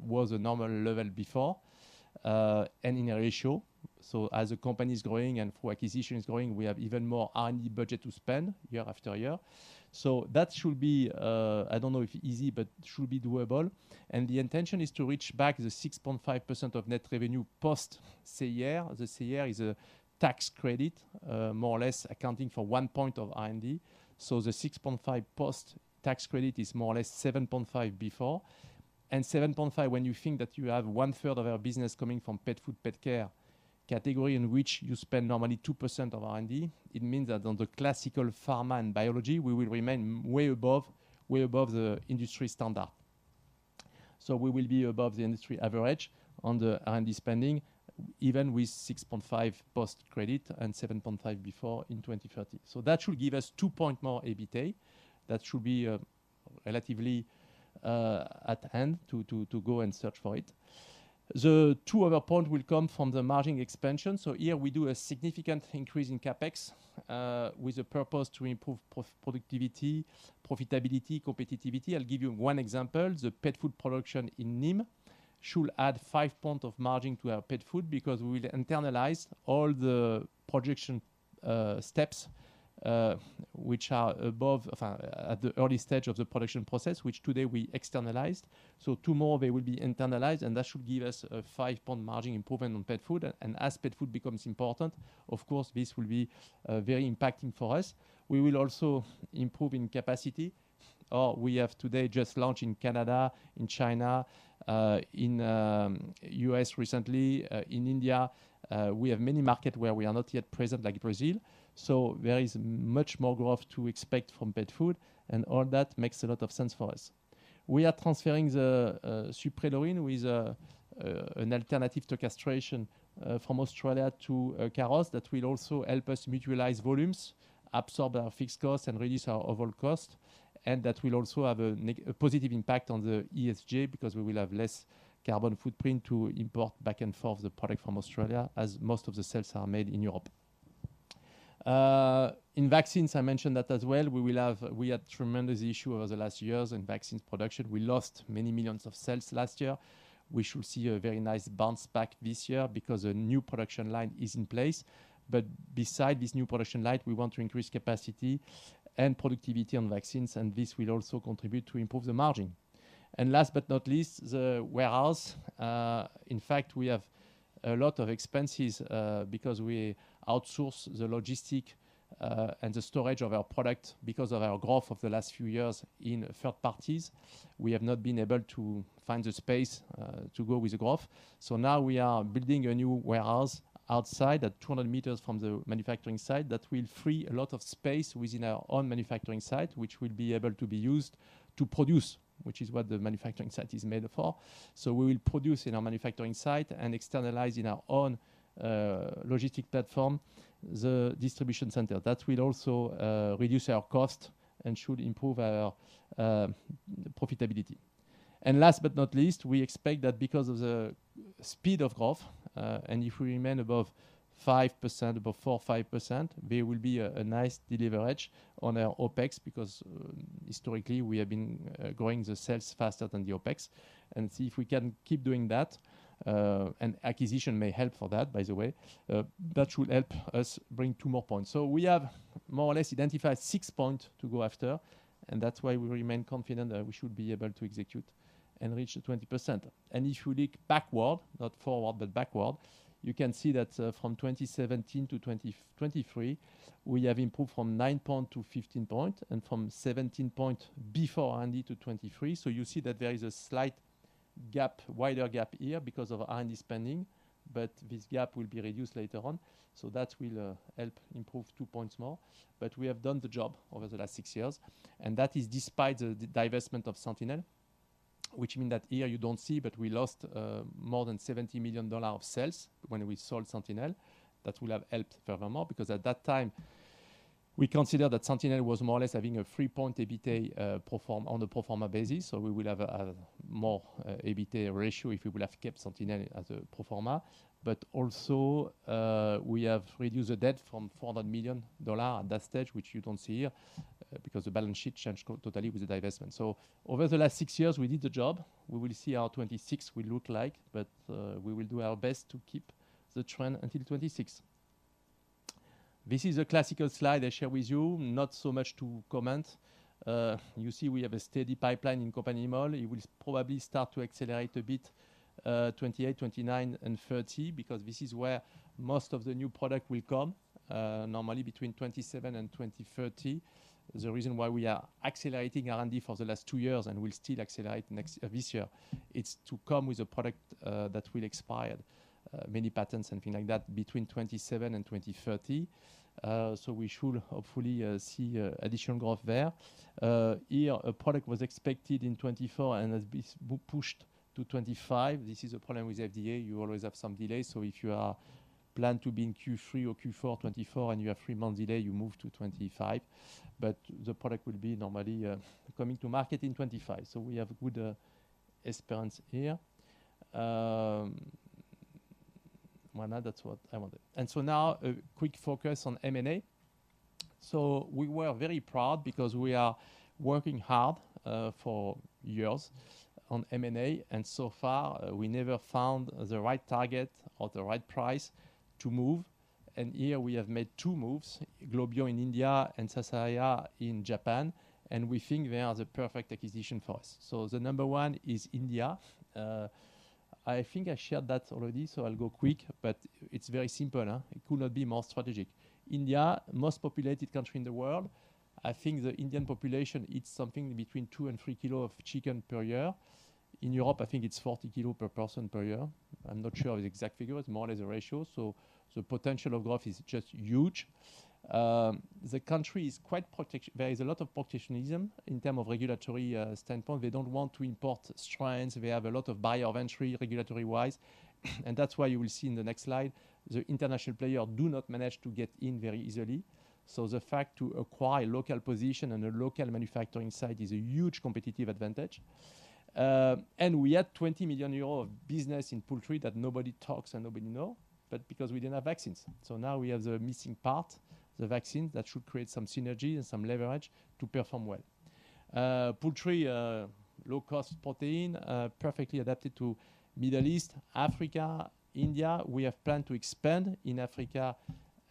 was a normal level before and in a ratio. So as the company is growing and through acquisition is growing, we have even more R&D budget to spend year after year. So that should be, I don't know if easy, but should be doable. The intention is to reach back the 6.5% of net revenue post CIR. The CIR is a tax credit, more or less accounting for 1% of R&D. So the 6.5% post-tax credit is more or less 7.5% before. And 7.5%, when you think that you have one third of our business coming from pet food, pet care category, in which you spend normally 2% of R&D, it means that on the classical pharma and biology, we will remain way above, way above the industry standard. So we will be above the industry average on the R&D spending, even with 6.5% post-credit and 7.5% before in 2030. So that should give us 2 points more EBITA. That should be relatively at hand to go and search for it. The two other points will come from the margin expansion. So here we do a significant increase in CapEx, with the purpose to improve productivity, profitability, competitiveness. I'll give you one example. The pet food production in Nîmes should add 5 points of margin to our pet food because we will internalize all the production steps, which are above, at the early stage of the production process, which today we externalized. So 2 more, they will be internalized, and that should give us a 5-point margin improvement on pet food. And as pet food becomes important, of course, this will be, very impacting for us. We will also improve in capacity. We have today just launched in Canada, in China, in U.S. recently, in India. We have many markets where we are not yet present, like Brazil, so there is much more growth to expect from pet food, and all that makes a lot of sense for us. We are transferring the Suprelorin with an alternative to castration from Australia to Carros. That will also help us mutualize volumes, absorb our fixed costs, and reduce our overall cost. That will also have a positive impact on the ESG, because we will have less carbon footprint to import back and forth the product from Australia, as most of the sales are made in Europe. In vaccines, I mentioned that as well. We will have, we had tremendous issue over the last years in vaccines production. We lost many millions of sales last year. We should see a very nice bounce back this year because a new production line is in place. But beside this new production line, we want to increase capacity and productivity on vaccines, and this will also contribute to improve the margin. And last but not least, the warehouse. In fact, we have a lot of expenses, because we outsource the logistics, and the storage of our product. Because of our growth of the last few years in third parties, we have not been able to find the space, to go with the growth. So now we are building a new warehouse outside, at 200 meters from the manufacturing site, that will free a lot of space within our own manufacturing site, which will be able to be used to produce, which is what the manufacturing site is made for. So we will produce in our manufacturing site and externalize in our own, logistic platform, the distribution center. That will also reduce our cost and should improve our profitability. And last but not least, we expect that because of the speed of growth, and if we remain above 5%, above 4%-5%, there will be a, a nice leverage on our OpEx, because, historically, we have been growing the sales faster than the OpEx. And see if we can keep doing that, and acquisition may help for that, by the way. That should help us bring two more points. So we have more or less identified six points to go after, and that's why we remain confident that we should be able to execute and reach the 20%. If you look backward, not forward, but backward, you can see that from 2017 to 2023, we have improved from 9% to 15%, and from 17% before R&D to 23%. So you see that there is a slight gap, wider gap here because of our R&D spending, but this gap will be reduced later on. That will help improve 2 points more. But we have done the job over the last six years, and that is despite the divestment of Sentinel, which means that here you don't see, but we lost more than $70 million of sales when we sold Sentinel. That would have helped furthermore, because at that time, we considered that Sentinel was more or less having a 3-point EBITA performance on the pro forma basis. So we would have a more EBITA ratio if we would have kept Sentinel as a pro forma. But also, we have reduced the debt from $400 million at that stage, which you don't see here, because the balance sheet changed totally with the divestment. So over the last six years, we did the job. We will see how 2026 will look like, but, we will do our best to keep the trend until 2026. This is a classical slide I share with you. Not so much to comment. You see, we have a steady pipeline in companion animal. It will probably start to accelerate a bit, 2028, 2029 and 2030, because this is where most of the new product will come, normally between 2017 and 2030. The reason why we are accelerating R&D for the last two years and will still accelerate next, this year, it's to come with a product, that will expire many patents and things like that, between 2017 and 2030. So we should hopefully see additional growth there. Here, a product was expected in 2024 and has been pushed to 2025. This is a problem with FDA. You always have some delays, so if you are planned to be in Q3 or Q4 2024 and you have three months delay, you move to 2025. But the product will be normally coming to market in 2025. So we have good experience here. Well, now that's what I wanted. So now a quick focus on M&A. So we were very proud because we are working hard for years on M&A, and so far we never found the right target or the right price to move. And here we have made two moves, Globion in India and Sasaeah in Japan, and we think they are the perfect acquisition for us. So the number one is India. I think I shared that already, so I'll go quick, but it's very simple, huh? It could not be more strategic. India, most populated country in the world. I think the Indian population eats something between 2 and 3 kilos of chicken per year. In Europe, I think it's 40 kilos per person per year. I'm not sure of the exact figure. It's more or less a ratio, so the potential of growth is just huge. The country is quite protect—there is a lot of protectionism in terms of regulatory standpoint. They don't want to import strains. They have a lot of barriers to entry, regulatory-wise, and that's why you will see in the next slide, the international players do not manage to get in very easily. So the fact to acquire local position and a local manufacturing site is a huge competitive advantage. And we had 20 million euros of business in poultry that nobody talks and nobody know, but because we didn't have vaccines. So now we have the missing part, the vaccine, that should create some synergy and some leverage to perform well. Poultry, low-cost protein, perfectly adapted to Middle East, Africa, India. We have planned to expand in Africa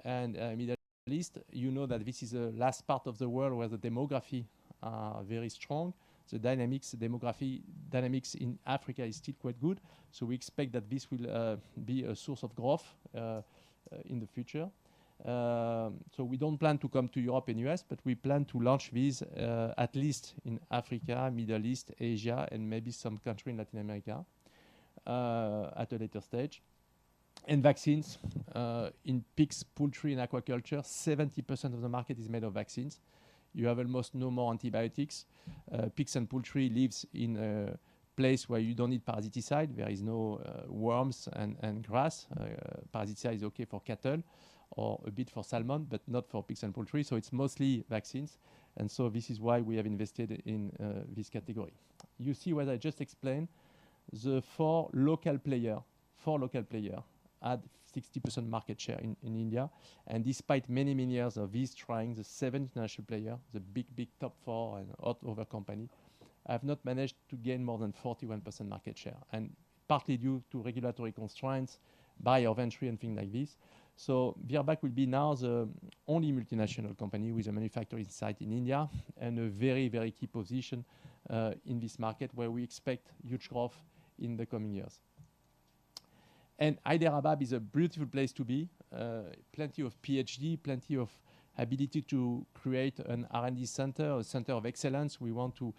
and Middle East. You know that this is the last part of the world where the demography are very strong. The dynamics, demography dynamics in Africa is still quite good, so we expect that this will be a source of growth in the future. So we don't plan to come to Europe and U.S., but we plan to launch this at least in Africa, Middle East, Asia, and maybe some country in Latin America at a later stage and vaccines in pigs, poultry, and aquaculture, 70% of the market is made of vaccines. You have almost no more antibiotics. Pigs and poultry lives in a place where you don't need parasiticide. There is no worms and grass. Parasiticide is okay for cattle or a bit for salmon, but not for pigs and poultry, so it's mostly vaccines, and so this is why we have invested in this category. You see what I just explained, the four local player add 60% market share in India, and despite many, many years of this trying, the seven international player, the big top four and other company, have not managed to gain more than 41% market share and partly due to regulatory constraints by our entry and things like this. So Virbac will be now the only multinational company with a manufacturing site in India and a very, very key position in this market, where we expect huge growth in the coming years. And Hyderabad is a beautiful place to be. Plenty of PhD, plenty of ability to create an R&D center, a center of excellence. We want to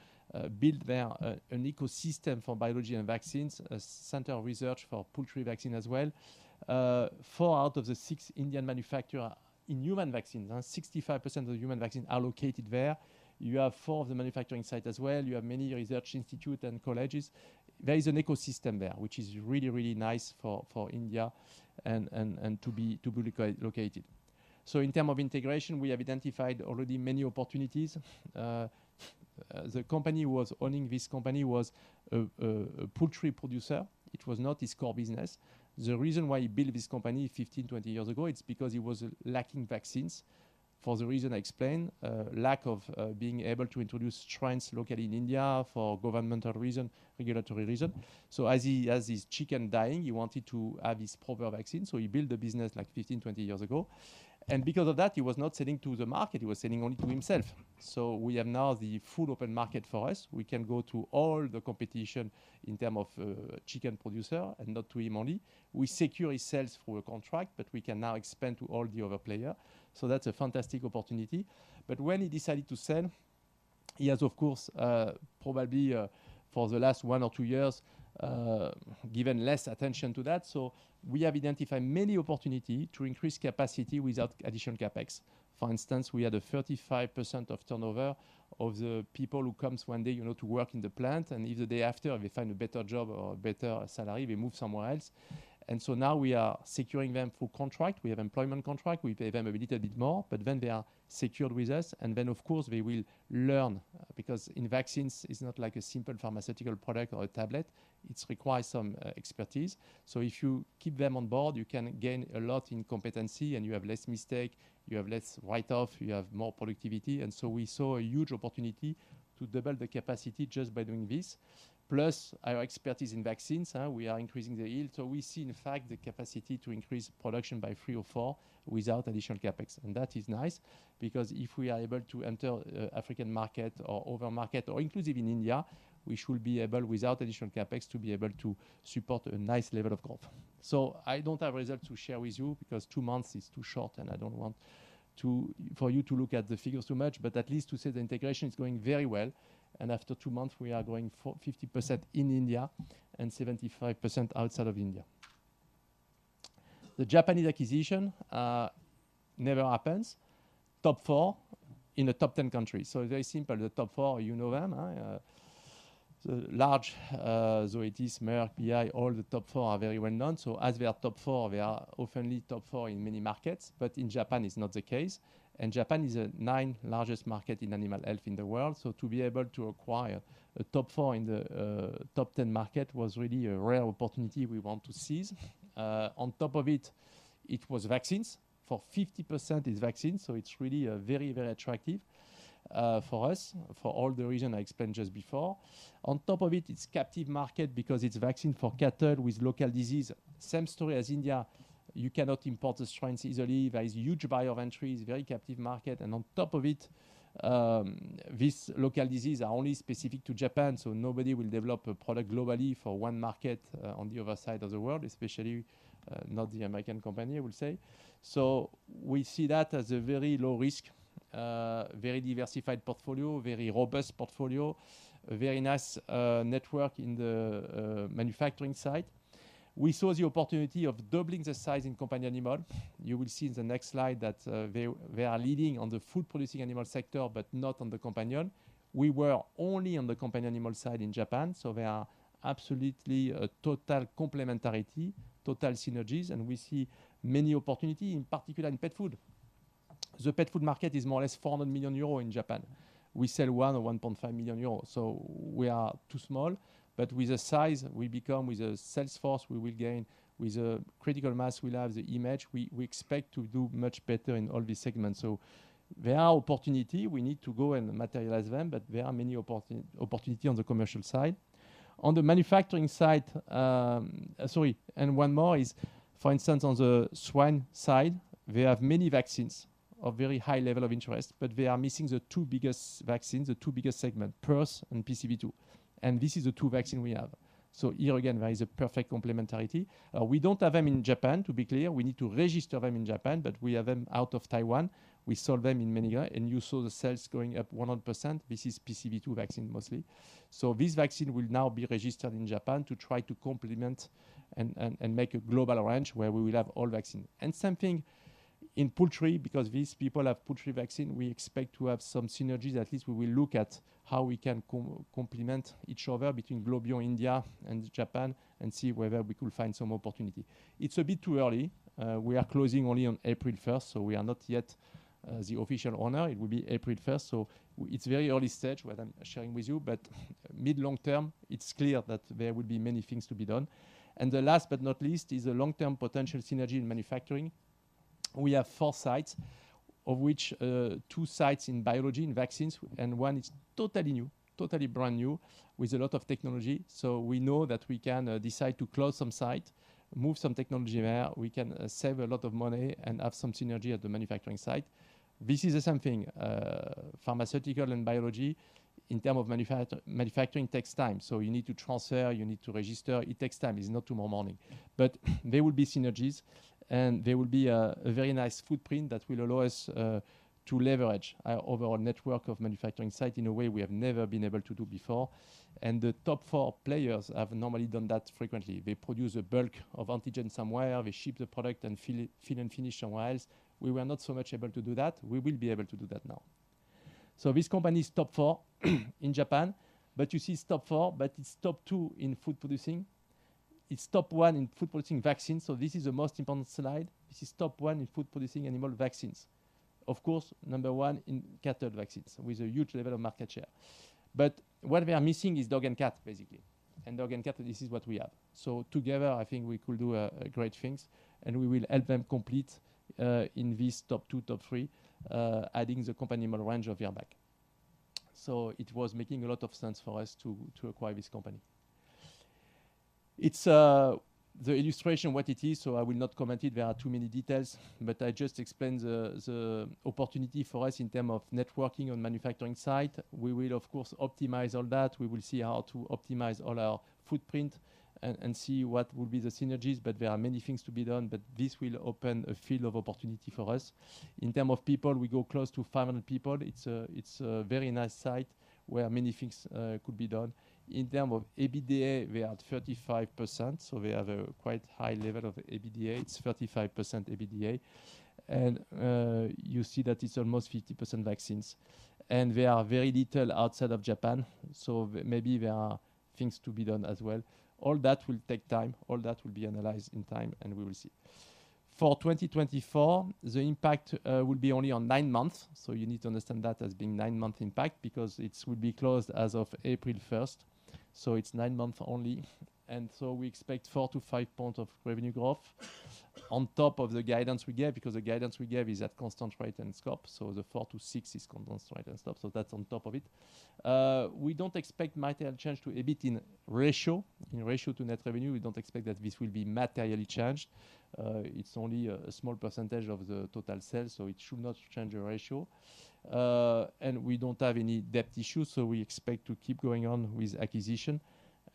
build there a, an ecosystem for biology and vaccines, a center of research for poultry vaccine as well. Four out of the 6 Indian manufacturer in human vaccines, huh? 65% of the human vaccines are located there. You have four of the manufacturing site as well. You have many research institute and colleges. There is an ecosystem there, which is really, really nice for, for India and, and, and to be, to be located. So in term of integration, we have identified already many opportunities. The company was owning this company was a, a, a poultry producer. It was not his core business. The reason why he built this company 15-20 years ago, it's because he was lacking vaccines for the reason I explained, lack of being able to introduce strains locally in India for governmental reason, regulatory reason. So as he, as his chicken dying, he wanted to have his proper vaccine, so he built a business like 15-20 years ago, and because of that, he was not selling to the market, he was selling only to himself. So we have now the full open market for us. We can go to all the competition in term of chicken producer and not to him only. We secure his sales through a contract, but we can now expand to all the other player. So that's a fantastic opportunity. But when he decided to sell, he has, of course, probably, for the last one or two years, given less attention to that. So we have identified many opportunities to increase capacity without additional CapEx. For instance, we had a 35% turnover of the people who come one day, you know, to work in the plant, and the day after, they find a better job or a better salary, they move somewhere else. So now we are securing them through contracts. We have employment contracts. We pay them a little bit more, but then they are secured with us, and then, of course, they will learn, because in vaccines, it's not like a simple pharmaceutical product or a tablet. It requires some expertise. So if you keep them on board, you can gain a lot in competency, and you have less mistake, you have less write-off, you have more productivity. And so we saw a huge opportunity to double the capacity just by doing this. Plus, our expertise in vaccines, we are increasing the yield. So we see, in fact, the capacity to increase production by 3 or 4 without additional CapEx, and that is nice, because if we are able to enter, African market or other market or inclusive in India, we should be able, without additional CapEx, to be able to support a nice level of growth. So I don't have results to share with you, because 2 months is too short, and I don't want to... for you to look at the figures too much, but at least to say the integration is going very well, and after two months, we are going for 50% in India and 75% outside of India. The Japanese acquisition never happens. Top four in the top ten countries. So very simple, the top four, you know them, the large, Zoetis, Merck, BI, all the top four are very well known. So as we are top four, we are often top four in many markets, but in Japan is not the case, and Japan is the ninth largest market in animal health in the world. So to be able to acquire a top four in the top ten market was really a rare opportunity we want to seize. On top of it, it was vaccines. For 50%, it's vaccines, so it's really, very, very attractive, for us, for all the reason I explained just before. On top of it, it's captive market because it's vaccine for cattle with local disease. Same story as India, you cannot import the strains easily. There is huge barrier to entry, is very captive market, and on top of it, these local disease are only specific to Japan, so nobody will develop a product globally for one market, on the other side of the world, especially, not the American company, I will say. So we see that as a very low risk, very diversified portfolio, very robust portfolio, a very nice, network in the, manufacturing side. We saw the opportunity of doubling the size in companion animal. You will see in the next slide that, they, they are leading on the food-producing animal sector, but not on the companion. We were only on the companion animal side in Japan, so there are absolutely a total complementarity, total synergies, and we see many opportunity, in particular in pet food. The pet food market is more or less 400 million euros in Japan. We sell 1 million or 1.5 million euros, so we are too small, but with the size we become, with the sales force we will gain, with the critical mass we'll have, the image, we, we expect to do much better in all these segments. So there are opportunity. We need to go and materialize them, but there are many opportunity on the commercial side. On the manufacturing side... Sorry, and one more is, for instance, on the swine side, they have many vaccines of very high level of interest, but they are missing the two biggest vaccines, the two biggest segment, PRRS and PCV2, and this is the two vaccine we have. So here again, there is a perfect complementarity. We don't have them in Japan, to be clear. We need to register them in Japan, but we have them out of Taiwan. We sold them in many year, and you saw the sales going up 100%. This is PCV2 vaccine mostly. So this vaccine will now be registered in Japan to try to complement and make a global range where we will have all vaccine. And same thing in poultry, because these people have poultry vaccine, we expect to have some synergies. At least we will look at how we can complement each other between Globion India and Japan, and see whether we could find some opportunity. It's a bit too early. We are closing only on April 1st, so we are not yet the official owner. It will be April 1st, so it's very early stage what I'm sharing with you. But mid long term, it's clear that there will be many things to be done. And the last but not least, is a long-term potential synergy in manufacturing. We have four sites, of which two sites in biology, in vaccines, and one is totally new, totally brand new, with a lot of technology. So we know that we can decide to close some site, move some technology there. We can save a lot of money and have some synergy at the manufacturing site. This is something pharmaceutical and biology, in terms of manufacturing, takes time, so you need to transfer, you need to register. It takes time. It's not tomorrow morning. But there will be synergies, and there will be a very nice footprint that will allow us to leverage over our network of manufacturing sites in a way we have never been able to do before. And the top four players have normally done that frequently. They produce a bulk of antigen somewhere, they ship the product and fill it, fill and finish somewhere else. We were not so much able to do that. We will be able to do that now. So this company is top four in Japan, but you see it's top four, but it's top two in food producing. It's top one in food producing vaccines, so this is the most important slide. This is top 1 in food producing animal vaccines. Of course, number 1 in cattle vaccines, with a huge level of market share. But what we are missing is dog and cat, basically. And dog and cat, this is what we have. So together, I think we could do great things, and we will help them complete in this top 2, top 3, adding the companion animal range of Virbac. So it was making a lot of sense for us to acquire this company. It's the illustration, what it is, so I will not comment it. There are too many details, but I just explain the opportunity for us in terms of networking on manufacturing site. We will, of course, optimize all that. We will see how to optimize all our footprint and see what will be the synergies, but there are many things to be done, but this will open a field of opportunity for us. In term of people, we go close to 500 people. It's a, it's a very nice site where many things could be done. In term of EBITDA, we are at 35%, so we have a quite high level of EBITDA. It's 35% EBITDA. And you see that it's almost 50% vaccines, and we are very little outside of Japan, so maybe there are things to be done as well. All that will take time, all that will be analyzed in time, and we will see. For 2024, the impact will be only on 9 months, so you need to understand that as being 9-month impact, because it will be closed as of April 1st, so it's 9 months only. We expect 4-5 points of revenue growth on top of the guidance we gave, because the guidance we gave is at constant rate and scope, so the 4-6 is constant rate and scope, so that's on top of it. We don't expect material change to EBIT in ratio. In ratio to net revenue, we don't expect that this will be materially changed. It's only a small percentage of the total sales, so it should not change the ratio. We don't have any debt issues, so we expect to keep going on with acquisition,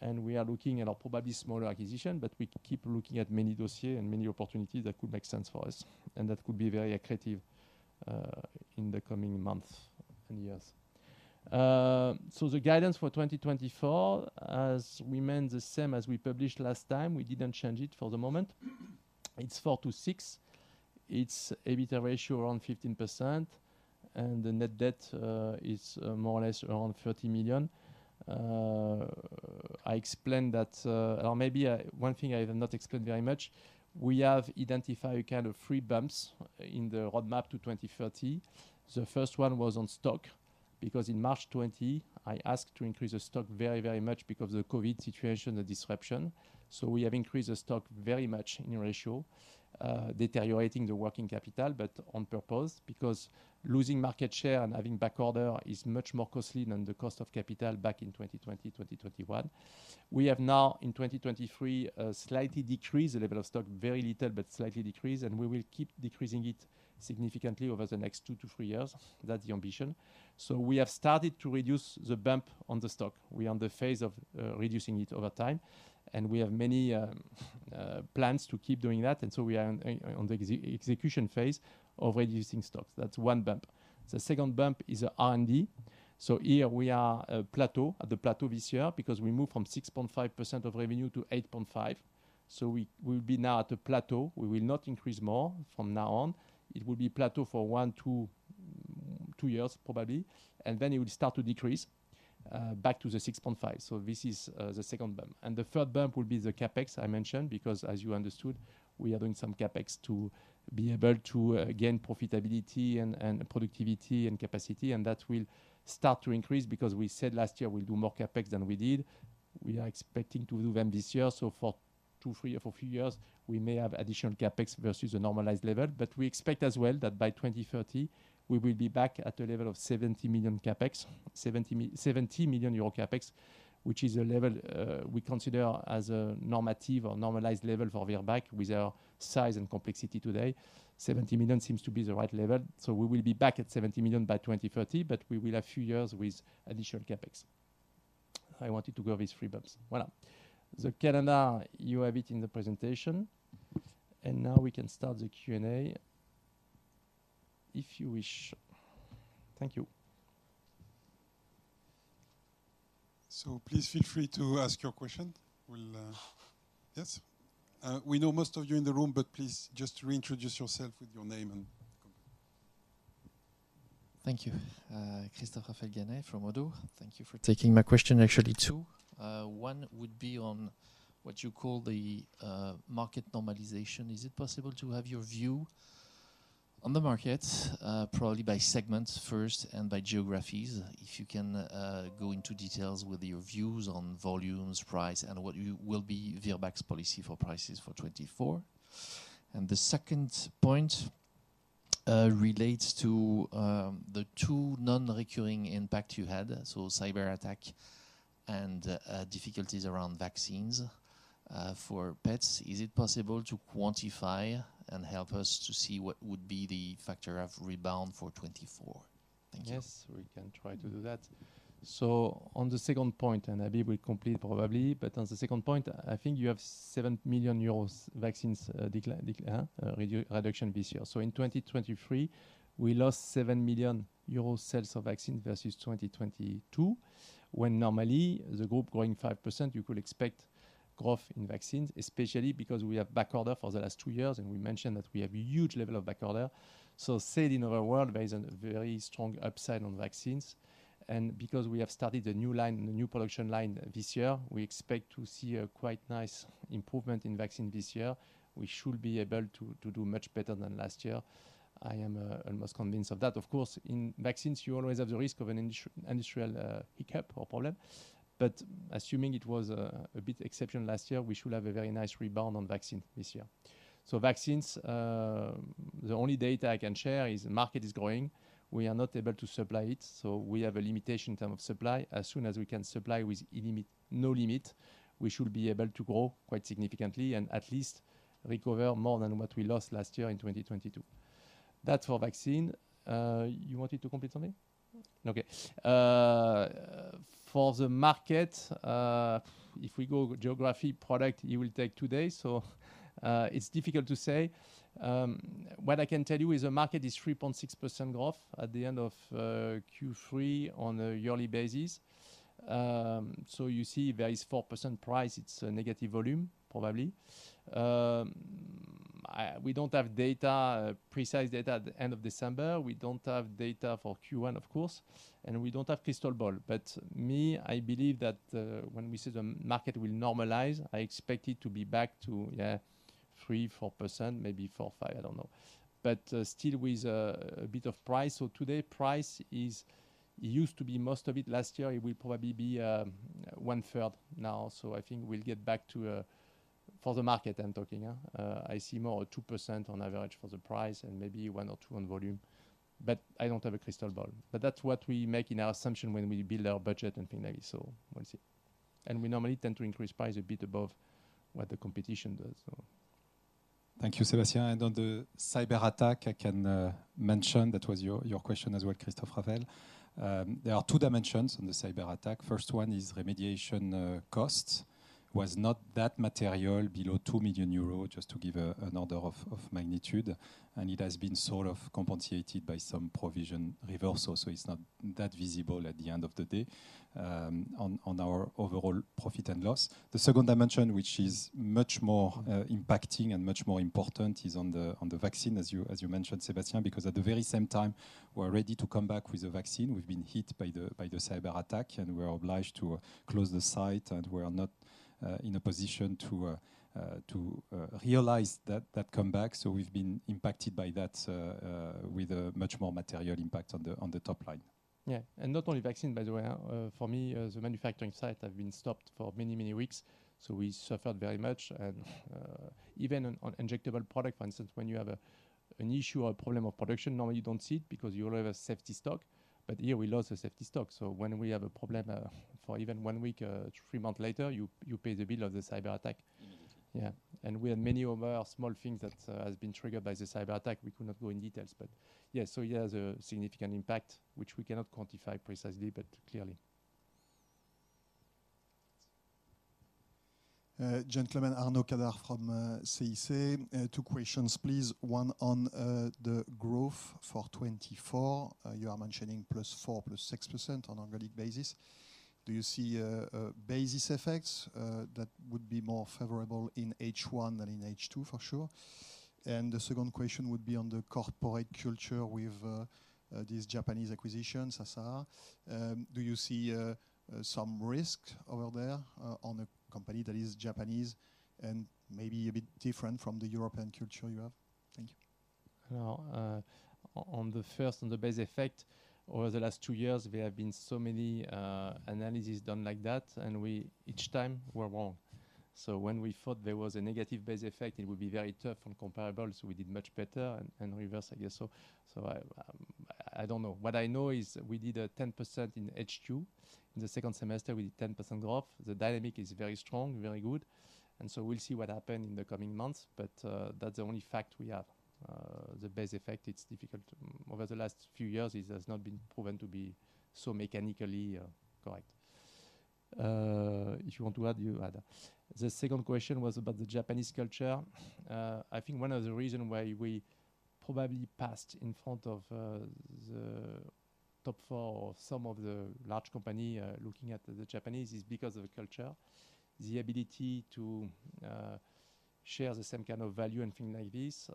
and we are looking at a probably smaller acquisition, but we keep looking at many dossier and many opportunities that could make sense for us. And that could be very accretive in the coming months and years. So the guidance for 2024 has remained the same as we published last time. We didn't change it for the moment. It's 4-6. It's EBITA ratio around 15%, and the net debt is more or less around 30 million. I explained that... Or maybe one thing I have not explained very much, we have identified kind of three bumps in the roadmap to 2030. The first one was on stock, because in March 2020, I asked to increase the stock very, very much because of the Covid situation, the disruption. So we have increased the stock very much in ratio, deteriorating the working capital, but on purpose, because losing market share and having backorder is much more costly than the cost of capital back in 2020, 2021. We have now, in 2023, slightly decreased the level of stock, very little, but slightly decreased, and we will keep decreasing it significantly over the next 2-3 years. That's the ambition. So we have started to reduce the bump on the stock. We're on the phase of reducing it over time, and we have many plans to keep doing that, and so we are on the execution phase of reducing stocks. That's one bump. The second bump is the R&D. So here we are, plateau, at the plateau this year, because we moved from 6.5% of revenue to 8.5%. So we will be now at a plateau. We will not increase more from now on. It will be plateau for 1-2 years, probably, and then it will start to decrease back to the 6.5%. So this is the second bump. And the third bump will be the CapEx, I mentioned, because as you understood, we are doing some CapEx to be able to gain profitability and productivity and capacity, and that will start to increase because we said last year we'll do more CapEx than we did. We are expecting to do them this year, so for two, three or a few years, we may have additional CapEx versus a normalized level. But we expect as well that by 2030, we will be back at a level of 70 million CapEx, which is a level we consider as a normative or normalized level for Virbac. With our size and complexity today, 70 million seems to be the right level, so we will be back at 70 million by 2030, but we will have a few years with additional CapEx. I wanted to go over these three bumps. Voilà. The calendar, you have it in the presentation, and now we can start the Q&A if you wish. Thank you.... So please feel free to ask your question. We'll, yes? We know most of you in the room, but please just reintroduce yourself with your name and company. Thank you. Christophe-Raphaël Ganet from Oddo BHF. Thank you for taking my question, actually two. One would be on what you call the market normalization. Is it possible to have your view on the market, probably by segments first and by geographies? If you can go into details with your views on volumes, price, and what will be Virbac's policy for prices for 2024. And the second point relates to the two non-recurring impacts you had, so cyberattack and difficulties around vaccines for pets. Is it possible to quantify and help us to see what would be the factor of rebound for 2024? Thank you. Yes, we can try to do that. So on the second point, and Habib will complete probably, but on the second point, I think you have 7 million euros vaccines decline, reduction this year. So in 2023, we lost 7 million euro sales of vaccine versus 2022, when normally the group growing 5%, you could expect growth in vaccines, especially because we have backorder for the last two years, and we mentioned that we have a huge level of backorder. So, in other words, there is a very strong upside on vaccines. And because we have started a new line, a new production line this year, we expect to see a quite nice improvement in vaccine this year. We should be able to do much better than last year. I am almost convinced of that. Of course, in vaccines, you always have the risk of an industrial hiccup or problem, but assuming it was a bit exception last year, we should have a very nice rebound on vaccine this year. So vaccines, the only data I can share is the market is growing. We are not able to supply it, so we have a limitation in term of supply. As soon as we can supply with no limit, we should be able to grow quite significantly and at least recover more than what we lost last year in 2022. That's for vaccine. You wanted to complete something? Okay. For the market, if we go geography, product, it will take two days. So it's difficult to say. What I can tell you is the market is 3.6% growth at the end of Q3 on a yearly basis. So you see there is 4% price. It's a negative volume, probably. We don't have data, precise data at the end of December. We don't have data for Q1, of course, and we don't have crystal ball. But me, I believe that when we say the market will normalize, I expect it to be back to, yeah, 3-4%, maybe 4-5, I don't know. But still with a bit of price. So today, price is... It used to be most of it last year. It will probably be one third now. So I think we'll get back to, for the market, I'm talking, huh? I see more 2% on average for the price and maybe 1% or 2% on volume, but I don't have a crystal ball. But that's what we make in our assumption when we build our budget and things like, so we'll see. We normally tend to increase price a bit above what the competition does, so. Thank you, Sébastien. On the cyberattack, I can mention that was your question as well, Christophe-Raphaël Ganet. There are two dimensions on the cyberattack. First one is remediation cost, was not that material below 2 million euros, just to give an order of magnitude, and it has been sort of compensated by some provision reversal, so it's not that visible at the end of the day, on our overall profit and loss. The second dimension, which is much more impacting and much more important, is on the vaccine, as you mentioned, Sébastien, because at the very same time, we're ready to come back with a vaccine. We've been hit by the cyberattack, and we are obliged to close the site, and we are not in a position to realize that comeback. So we've been impacted by that, with a much more material impact on the top line. Yeah, and not only vaccine, by the way, for me, the manufacturing site have been stopped for many, many weeks, so we suffered very much. And even on injectable product, for instance, when you have an issue or problem of production, normally you don't see it because you always have a safety stock. But here we lost the safety stock, so when we have a problem, for even one week, three months later, you pay the bill of the cyberattack. Yeah, and we had many other small things that has been triggered by the cyberattack. We could not go in details, but yeah, so it has a significant impact, which we cannot quantify precisely, but clearly. Gentlemen, Arnaud Cadart from CIC. Two questions, please. One on the growth for 2024. You are mentioning +4%-+6% on organic basis. Do you see a base effects that would be more favorable in H1 than in H2, for sure? And the second question would be on the corporate culture with these Japanese acquisitions, Sasaeah. Do you see some risk over there, on a company that is Japanese and maybe a bit different from the European culture you have? Thank you. Now, on the first, on the base effect, over the last two years, there have been so many analysis done like that, and we each time were wrong. So when we thought there was a negative base effect, it would be very tough and comparable, so we did much better and reverse, I guess. So I don't know. What I know is we did 10% in H2. In the second semester, we did 10% growth. The dynamic is very strong, very good, and so we'll see what happen in the coming months. But that's the only fact we have. The base effect, it's difficult. Over the last few years, it has not been proven to be so mechanically correct. If you want to add, you add. The second question was about the Japanese culture. I think one of the reason why we probably passed in front of the top four of some of the large company looking at the Japanese is because of the culture, the ability to share the same kind of value and things like this.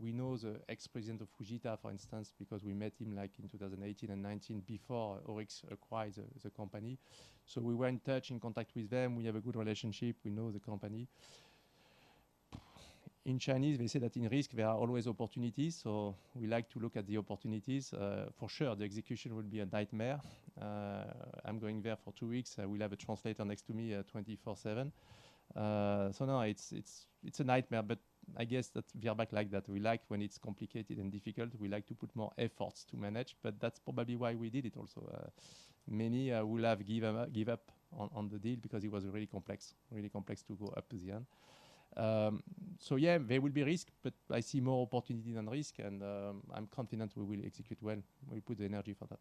We know the ex-president of Fujita, for instance, because we met him, like, in 2018 and 2019 before ORIX acquired the company. So we were in touch, in contact with them. We have a good relationship. We know the company. In Chinese, they say that in risk, there are always opportunities, so we like to look at the opportunities. For sure, the execution will be a nightmare. I'm going there for 2 weeks. I will have a translator next to me 24/7. So no, it's a nightmare, but I guess that Virbac like that. We like when it's complicated and difficult. We like to put more efforts to manage, but that's probably why we did it also. Many will have given up on the deal because it was really complex to go up to the end. So yeah, there will be risk, but I see more opportunity than risk, and I'm confident we will execute well. We put the energy for that.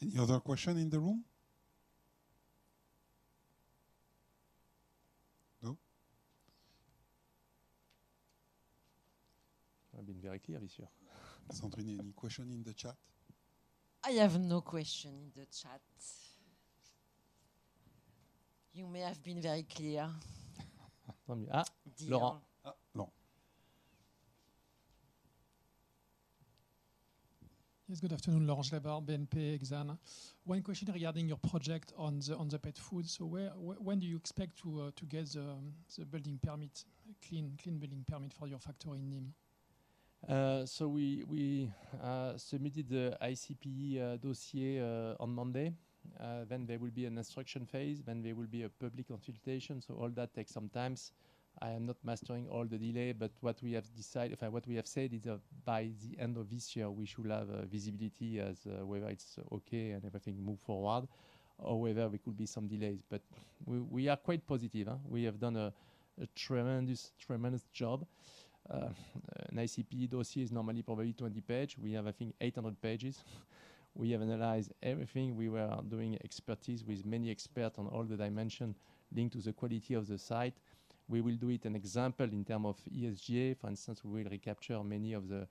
Any other question in the room? No. I've been very clear this year. Sandrine, any question in the chat? I have no question in the chat. You may have been very clear. Ah, Laurent. Uh, Laurent. Yes, good afternoon, Laurent Gelebart, Exane BNP Paribas. One question regarding your project on the pet food. So when do you expect to get the building permit, clean building permit for your factory in Nîmes? So we submitted the ICPE dossier on Monday. Then there will be an instruction phase, then there will be a public consultation, so all that takes some time. I am not mastering all the delay, but what we have decided... what we have said is that by the end of this year, we should have visibility as whether it's okay and everything move forward or whether there could be some delays. But we are quite positive, huh? We have done a tremendous job. An ICPE dossier is normally probably 20 pages. We have, I think, 800 pages. We have analyzed everything. We were doing expertise with many expert on all the dimension linked to the quality of the site. We will do it an example in term of ESG. For instance, we will recapture many of the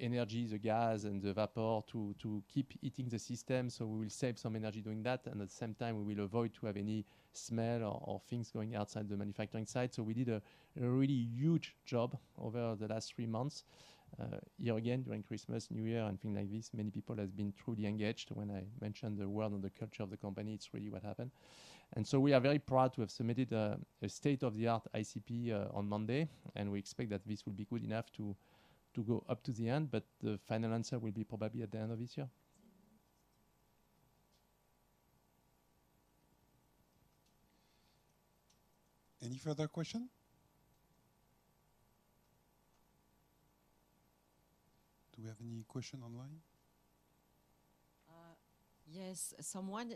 energy, the gas, and the vapor to keep heating the system, so we will save some energy doing that, and at the same time, we will avoid to have any smell or things going outside the manufacturing site. So we did a really huge job over the last three months. Here again, during Christmas, New Year, and things like this, many people has been truly engaged. When I mentioned the world and the culture of the company, it's really what happened. And so we are very proud to have submitted a state-of-the-art ICPE on Monday, and we expect that this will be good enough to go up to the end, but the final answer will be probably at the end of this year. Any further question? Do we have any question online? Yes, someone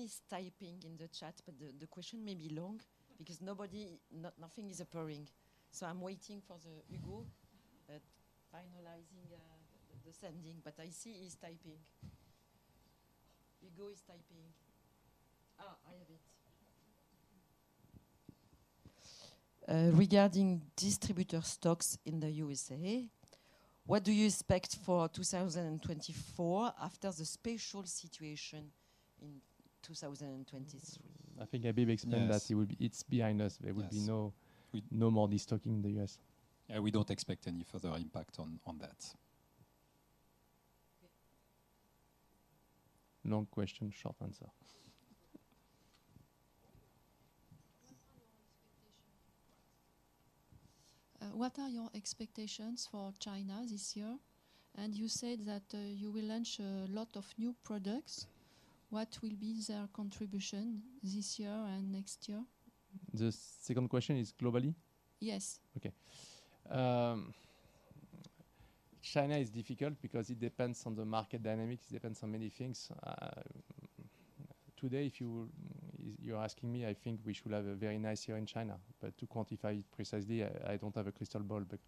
is typing in the chat, but the question may be long because nothing is appearing. So I'm waiting for Hugo finalizing the sending, but I see he's typing. Hugo is typing. I have it. Regarding distributor stocks in the USA, what do you expect for 2024 after the special situation in 2023? I think Habib explained- Yes... that it's behind us. Yes. There will be no, no more destocking in the U.S. Yeah, we don't expect any further impact on that. Okay. Long question, short answer. What are your expectations for China this year? And you said that you will launch a lot of new products. What will be their contribution this year and next year? The second question is globally? Yes. Okay. China is difficult because it depends on the market dynamics. It depends on many things. Today, if you, you're asking me, I think we should have a very nice year in China, but to quantify it precisely, I don't have a crystal ball. But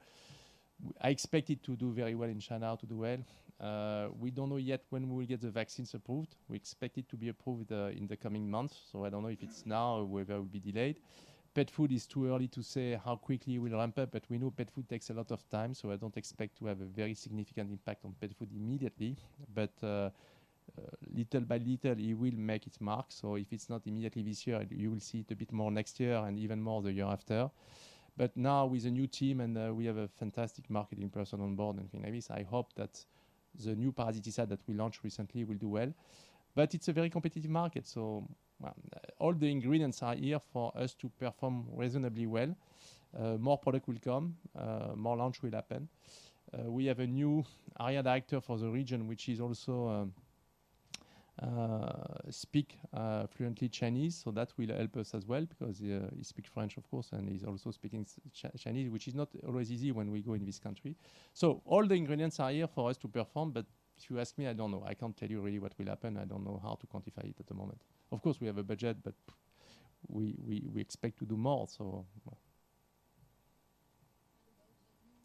I expect it to do very well in China, to do well. We don't know yet when we will get the vaccines approved. We expect it to be approved in the coming months, so I don't know if it's now or whether it will be delayed. Pet food, it's too early to say how quickly we'll ramp up, but we know pet food takes a lot of time, so I don't expect to have a very significant impact on pet food immediately. But little by little, it will make its mark. So if it's not immediately this year, you will see it a bit more next year and even more the year after. But now with the new team and, we have a fantastic marketing person on board and things like this, I hope that the new product set that we launched recently will do well. But it's a very competitive market, so well, all the ingredients are here for us to perform reasonably well. More product will come, more launch will happen. We have a new area director for the region, which is also, speak fluently Chinese, so that will help us as well, because, he speaks French, of course, and he's also speaking Chinese, which is not always easy when we go in this country. So all the ingredients are here for us to perform, but if you ask me, I don't know. I can't tell you really what will happen. I don't know how to quantify it at the moment. Of course, we have a budget, but we expect to do more.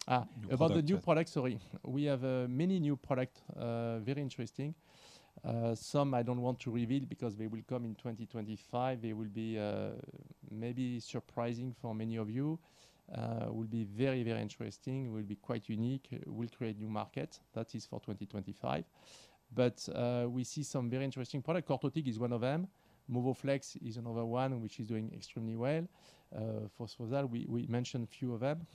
Ah, about the new product, sorry. We have many new product very interesting. Some I don't want to reveal because they will come in 2025. They will be maybe surprising for many of you. Will be very, very interesting, will be quite unique, will create new markets. That is for 2025. But we see some very interesting product. Cortotic is one of them. MOVOFLEX is another one, which is doing extremely well. For that, we mentioned a few of them.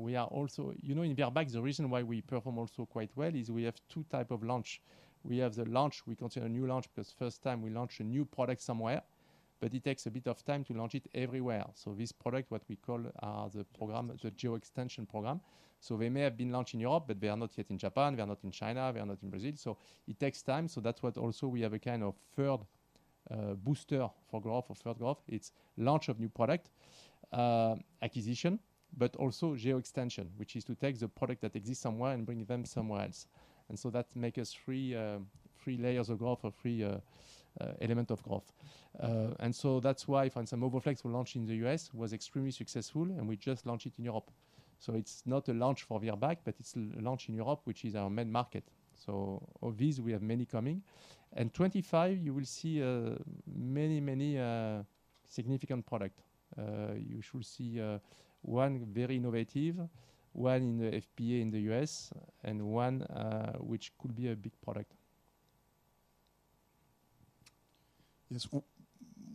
We are also you know, in Virbac, the reason why we perform also quite well is we have two type of launch. We have the launch, we consider a new launch, because first time we launch a new product somewhere, but it takes a bit of time to launch it everywhere. So this product, what we call, the program, the geo-extension program. So they may have been launched in Europe, but they are not yet in Japan, they are not in China, they are not in Brazil. So it takes time. So that's what also we have a kind of third, booster for growth, for third growth. It's launch of new product, acquisition, but also geo-extension, which is to take the product that exists somewhere and bring them somewhere else. And so that makes us three, three layers of growth or three, element of growth. And so that's why we find some MOVOFLEX were launched in the US, was extremely successful, and we just launched it in Europe. So it's not a launch for Virbac, but it's a launch in Europe, which is our main market. So of these, we have many coming. And 2025, you will see, many, many, significant product. You should see, one very innovative, one in the FBA in the US, and one, which could be a big product. Yes,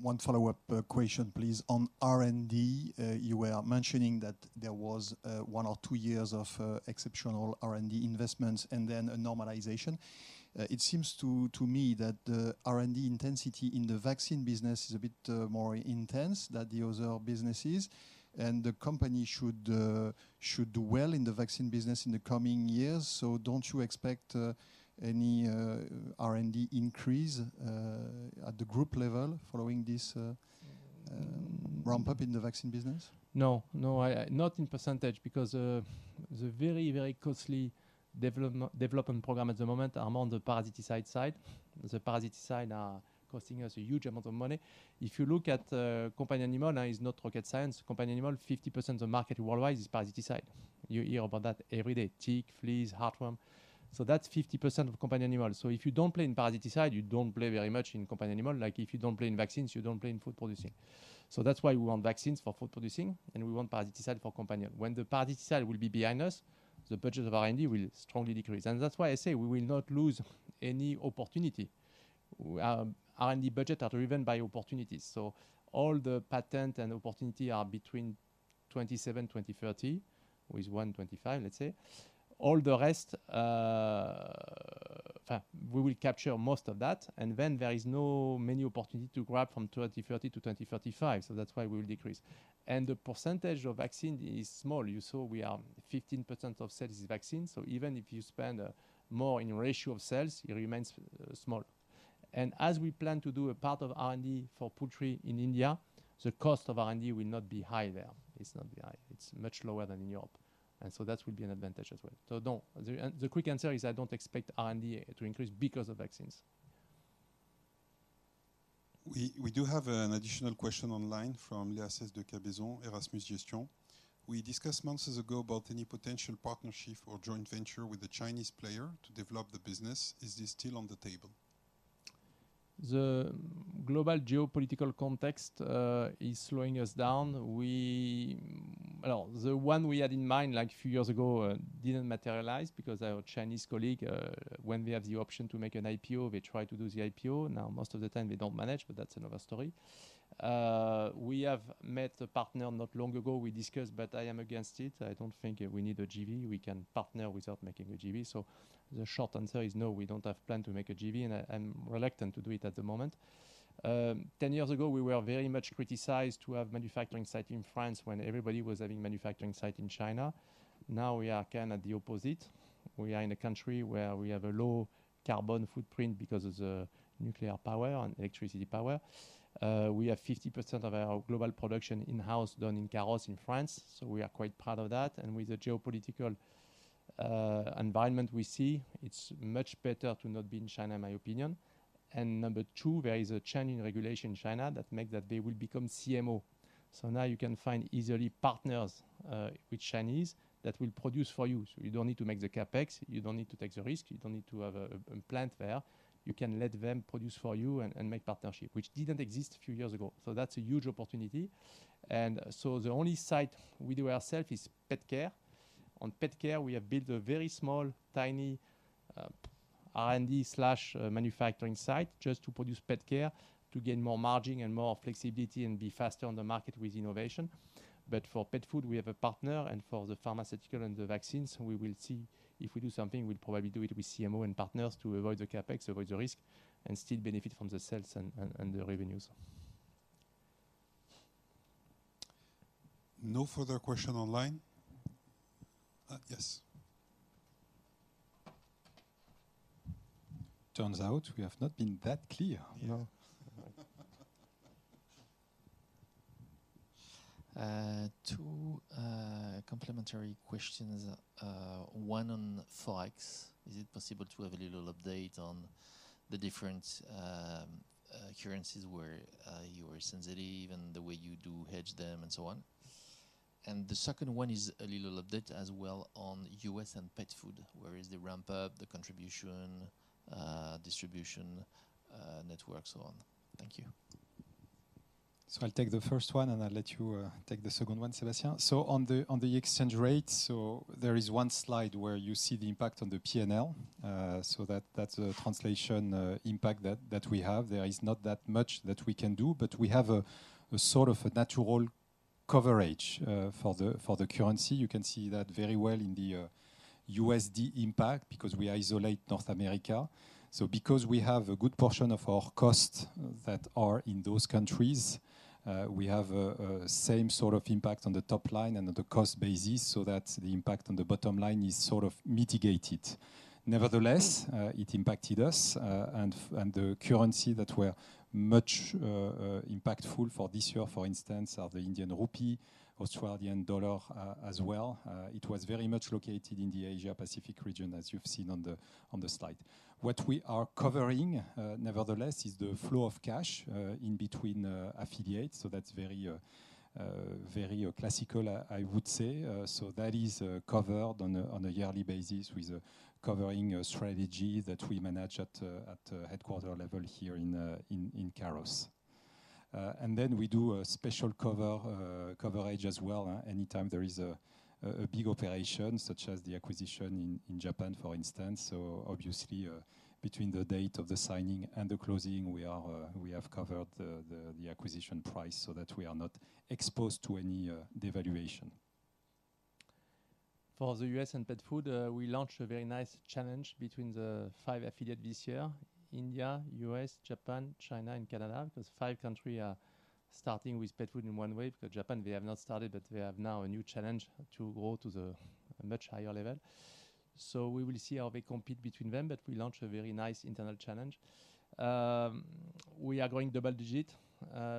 one follow-up question, please. On R&D, you were mentioning that there was one or two years of exceptional R&D investments and then a normalization. It seems to me that the R&D intensity in the vaccine business is a bit more intense than the other businesses, and the company should do well in the vaccine business in the coming years. So don't you expect any R&D increase at the group level following this ramp up in the vaccine business? No, no, I. Not in percentage, because the very, very costly development programme at the moment are more on the parasiticide side. The parasiticide are costing us a huge amount of money. If you look at companion animal, now is not rocket science. Companion animal, 50% of the market worldwide is parasiticide. You hear about that every day: tick, fleas, heartworm. So that's 50% of companion animal. So if you don't play in parasiticide, you don't play very much in companion animal. Like if you don't play in vaccines, you don't play in food producing. So that's why we want vaccines for food producing, and we want parasiticide for companion. When the parasiticide will be behind us, the budget of R&D will strongly decrease, and that's why I say we will not lose any opportunity. R&D budget are driven by opportunities, so all the patent and opportunity are between 2027-2030, with 2025, let's say. All the rest, we will capture most of that, and then there is no many opportunity to grab from 2030-2035, so that's why we will decrease. And the percentage of vaccine is small. You saw we are 15% of sales is vaccine, so even if you spend, more in ratio of sales, it remains, small. And as we plan to do a part of R&D for poultry in India, the cost of R&D will not be high there. It's not be high. It's much lower than in Europe, and so that will be an advantage as well. So no, the quick answer is I don't expect R&D, to increase because of vaccines. We do have an additional question online from Alceste de Cabarrus, Erasmus Gestion. We discussed months ago about any potential partnership or joint venture with the Chinese player to develop the business. Is this still on the table? The global geopolitical context is slowing us down. Well, the one we had in mind, like few years ago, didn't materialize because our Chinese colleague, when we have the option to make an IPO, they try to do the IPO. Now, most of the time they don't manage, but that's another story. We have met a partner not long ago. We discussed, but I am against it. I don't think we need a GV. We can partner without making a GV. So the short answer is no, we don't have plan to make a GV, and I'm reluctant to do it at the moment. Ten years ago, we were very much criticized to have manufacturing site in France when everybody was having manufacturing site in China. Now, we are kind of the opposite. We are in a country where we have a low carbon footprint because of the nuclear power and electricity power. We have 50% of our global production in-house, done in Carros, in France, so we are quite proud of that. And with the geopolitical environment we see, it's much better to not be in China, in my opinion. And number two, there is a change in regulation in China that make that they will become CMO. So now you can find easily partners with Chinese that will produce for you. So you don't need to make the CapEx, you don't need to take the risk, you don't need to have a plant there. You can let them produce for you and make partnership, which didn't exist a few years ago. So that's a huge opportunity. So the only site we do ourselves is pet care. On pet care, we have built a very small, tiny, R&D slash manufacturing site just to produce pet care, to gain more margin and more flexibility and be faster on the market with innovation. But for pet food, we have a partner, and for the pharmaceutical and the vaccines, we will see. If we do something, we'll probably do it with CMO and partners to avoid the CapEx, avoid the risk, and still benefit from the sales and the revenues. No further question online. Yes. Turns out we have not been that clear. No. Two complementary questions. One on Forex. Is it possible to have a little update on the different currencies where you are sensitive and the way you do hedge them, and so on? And the second one is a little update as well on U.S. and pet food. Where is the ramp up, the contribution, distribution network, so on. Thank you. So I'll take the first one, and I'll let you take the second one, Sebastian. So on the exchange rate, so there is one slide where you see the impact on the PNL. So that's a translation impact that we have. There is not that much that we can do, but we have a sort of a natural coverage for the currency. You can see that very well in the USD impact because we isolate North America. So because we have a good portion of our costs that are in those countries, we have a same sort of impact on the top line and on the cost basis, so that the impact on the bottom line is sort of mitigated. Nevertheless, it impacted us, and the currency that were much impactful for this year, for instance, are the Indian rupee, Australian dollar, as well. It was very much located in the Asia Pacific region, as you've seen on the slide. What we are covering, nevertheless, is the flow of cash in between affiliates. So that's very, very classical, I would say. So that is covered on a yearly basis with a covering strategy that we manage at headquarter level here in Carros. And then we do a special cover, coverage as well, anytime there is a big operation, such as the acquisition in Japan, for instance. So obviously, between the date of the signing and the closing, we have covered the acquisition price so that we are not exposed to any devaluation. For the US and pet food, we launched a very nice challenge between the five affiliates this year: India, US, Japan, China, and Canada. Those five countries are starting with pet food in one way, because Japan, they have not started, but they have now a new challenge to go to a much higher level. So we will see how they compete between them, but we launched a very nice internal challenge. We are growing double-digit,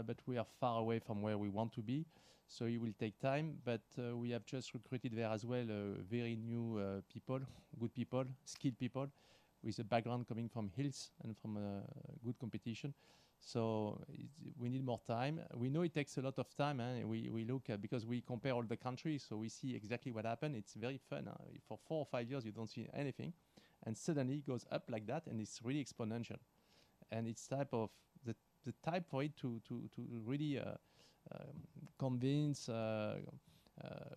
but we are far away from where we want to be, so it will take time. But, we have just recruited there as well, very new people, good people, skilled people, with a background coming from Hill's and from good competition. So it's... we need more time. We know it takes a lot of time, and we look at because we compare all the countries, so we see exactly what happened. It's very fun. For four or five years, you don't see anything, and suddenly it goes up like that, and it's really exponential. And it's type of the, the type for it to, to, to really convince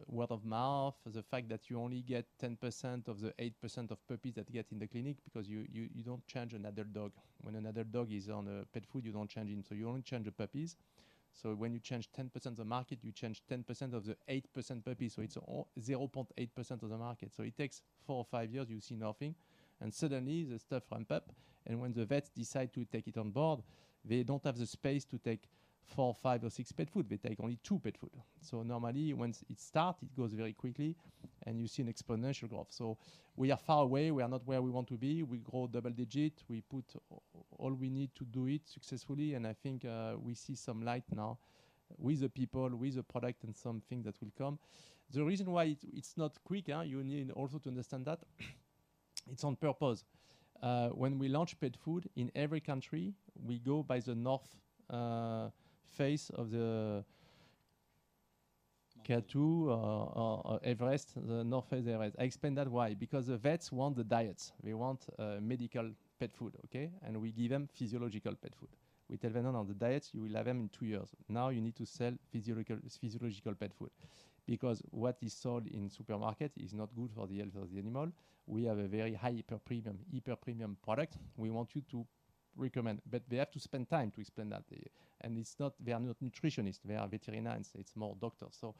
word of mouth, the fact that you only get 10% of the 8% of puppies that you get in the clinic because you don't change another dog. When another dog is on a pet food, you don't change him, so you only change the puppies. So when you change 10% of the market, you change 10% of the 8% puppies, so it's all 0.8% of the market. So it takes four or five years, you see nothing, and suddenly, the stuff ramp up, and when the vets decide to take it on board, they don't have the space to take four, five, or six pet food. They take only two pet food. So normally, once it start, it goes very quickly, and you see an exponential growth. So we are far away. We are not where we want to be. We grow double-digit. We put all we need to do it successfully, and I think, we see some light now with the people, with the product, and something that will come. The reason why it, it's not quick, you need also to understand that, it's on purpose. When we launch pet food in every country, we go by the north face of the K2 or Everest, the north face of Everest. I explain that why? Because the vets want the diets. They want medical pet food, okay? And we give them physiological pet food. We tell them, "No, no, the diets, you will have them in two years. Now you need to sell physiological pet food, because what is sold in supermarket is not good for the health of the animal. We have a very high hyper-premium, hyper-premium product. We want you to recommend." But they have to spend time to explain that, they are not nutritionist, they are veterinarians. It's more doctors. So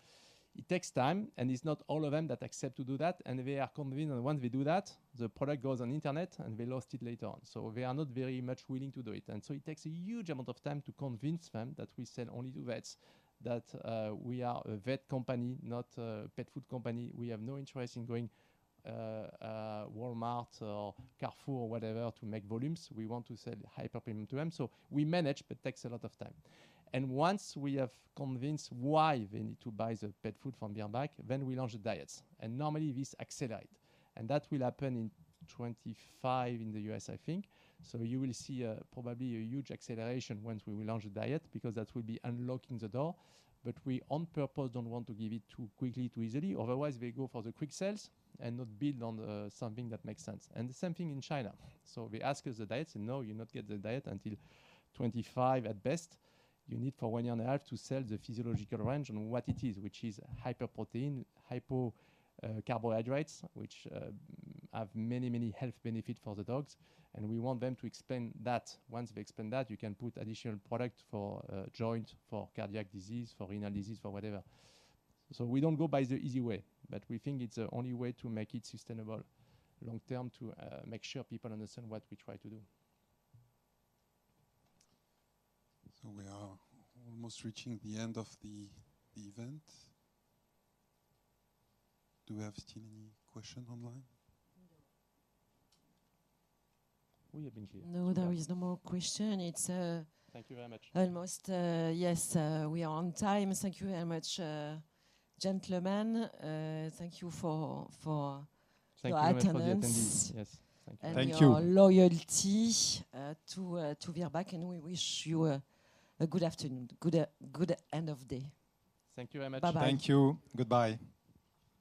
it takes time, and it's not all of them that accept to do that, and they are convinced that once they do that, the product goes on internet, and we lost it later on. So they are not very much willing to do it, and so it takes a huge amount of time to convince them that we sell only to vets, that we are a vet company, not a pet food company. We have no interest in going, Walmart or Carrefour, or whatever, to make volumes. We want to sell hyper-premium to them. So we manage, but takes a lot of time. And once we have convinced why they need to buy the pet food from Virbac, then we launch the diets, and normally this accelerate. And that will happen in 2025 in the U.S., I think. So you will see, probably a huge acceleration once we will launch the diet, because that will be unlocking the door. But we on purpose, don't want to give it too quickly, too easily. Otherwise, we go for the quick sales and not build on, something that makes sense. And the same thing in China. So we ask us the diets, and no, you not get the diet until 25 at best. You need for one year and a half to sell the physiological range and what it is, which is hyperprotein, hypo, carbohydrates, which, have many, many health benefit for the dogs, and we want them to explain that. Once they explain that, you can put additional product for, joint, for cardiac disease, for renal disease, for whatever. We don't go by the easy way, but we think it's the only way to make it sustainable long term, to make sure people understand what we try to do. We are almost reaching the end of the event. Do we have still any question online? We have been here. No, there is no more question. It's Thank you very much.... almost, yes, we are on time. Thank you very much, gentlemen. Thank you for, for- Thank you very much for the attendees.... your attendance. Yes. Thank you. Thank you. Your loyalty to Virbac, and we wish you a good afternoon. Good end of day. Thank you very much. Bye-bye. Thank you. Goodbye.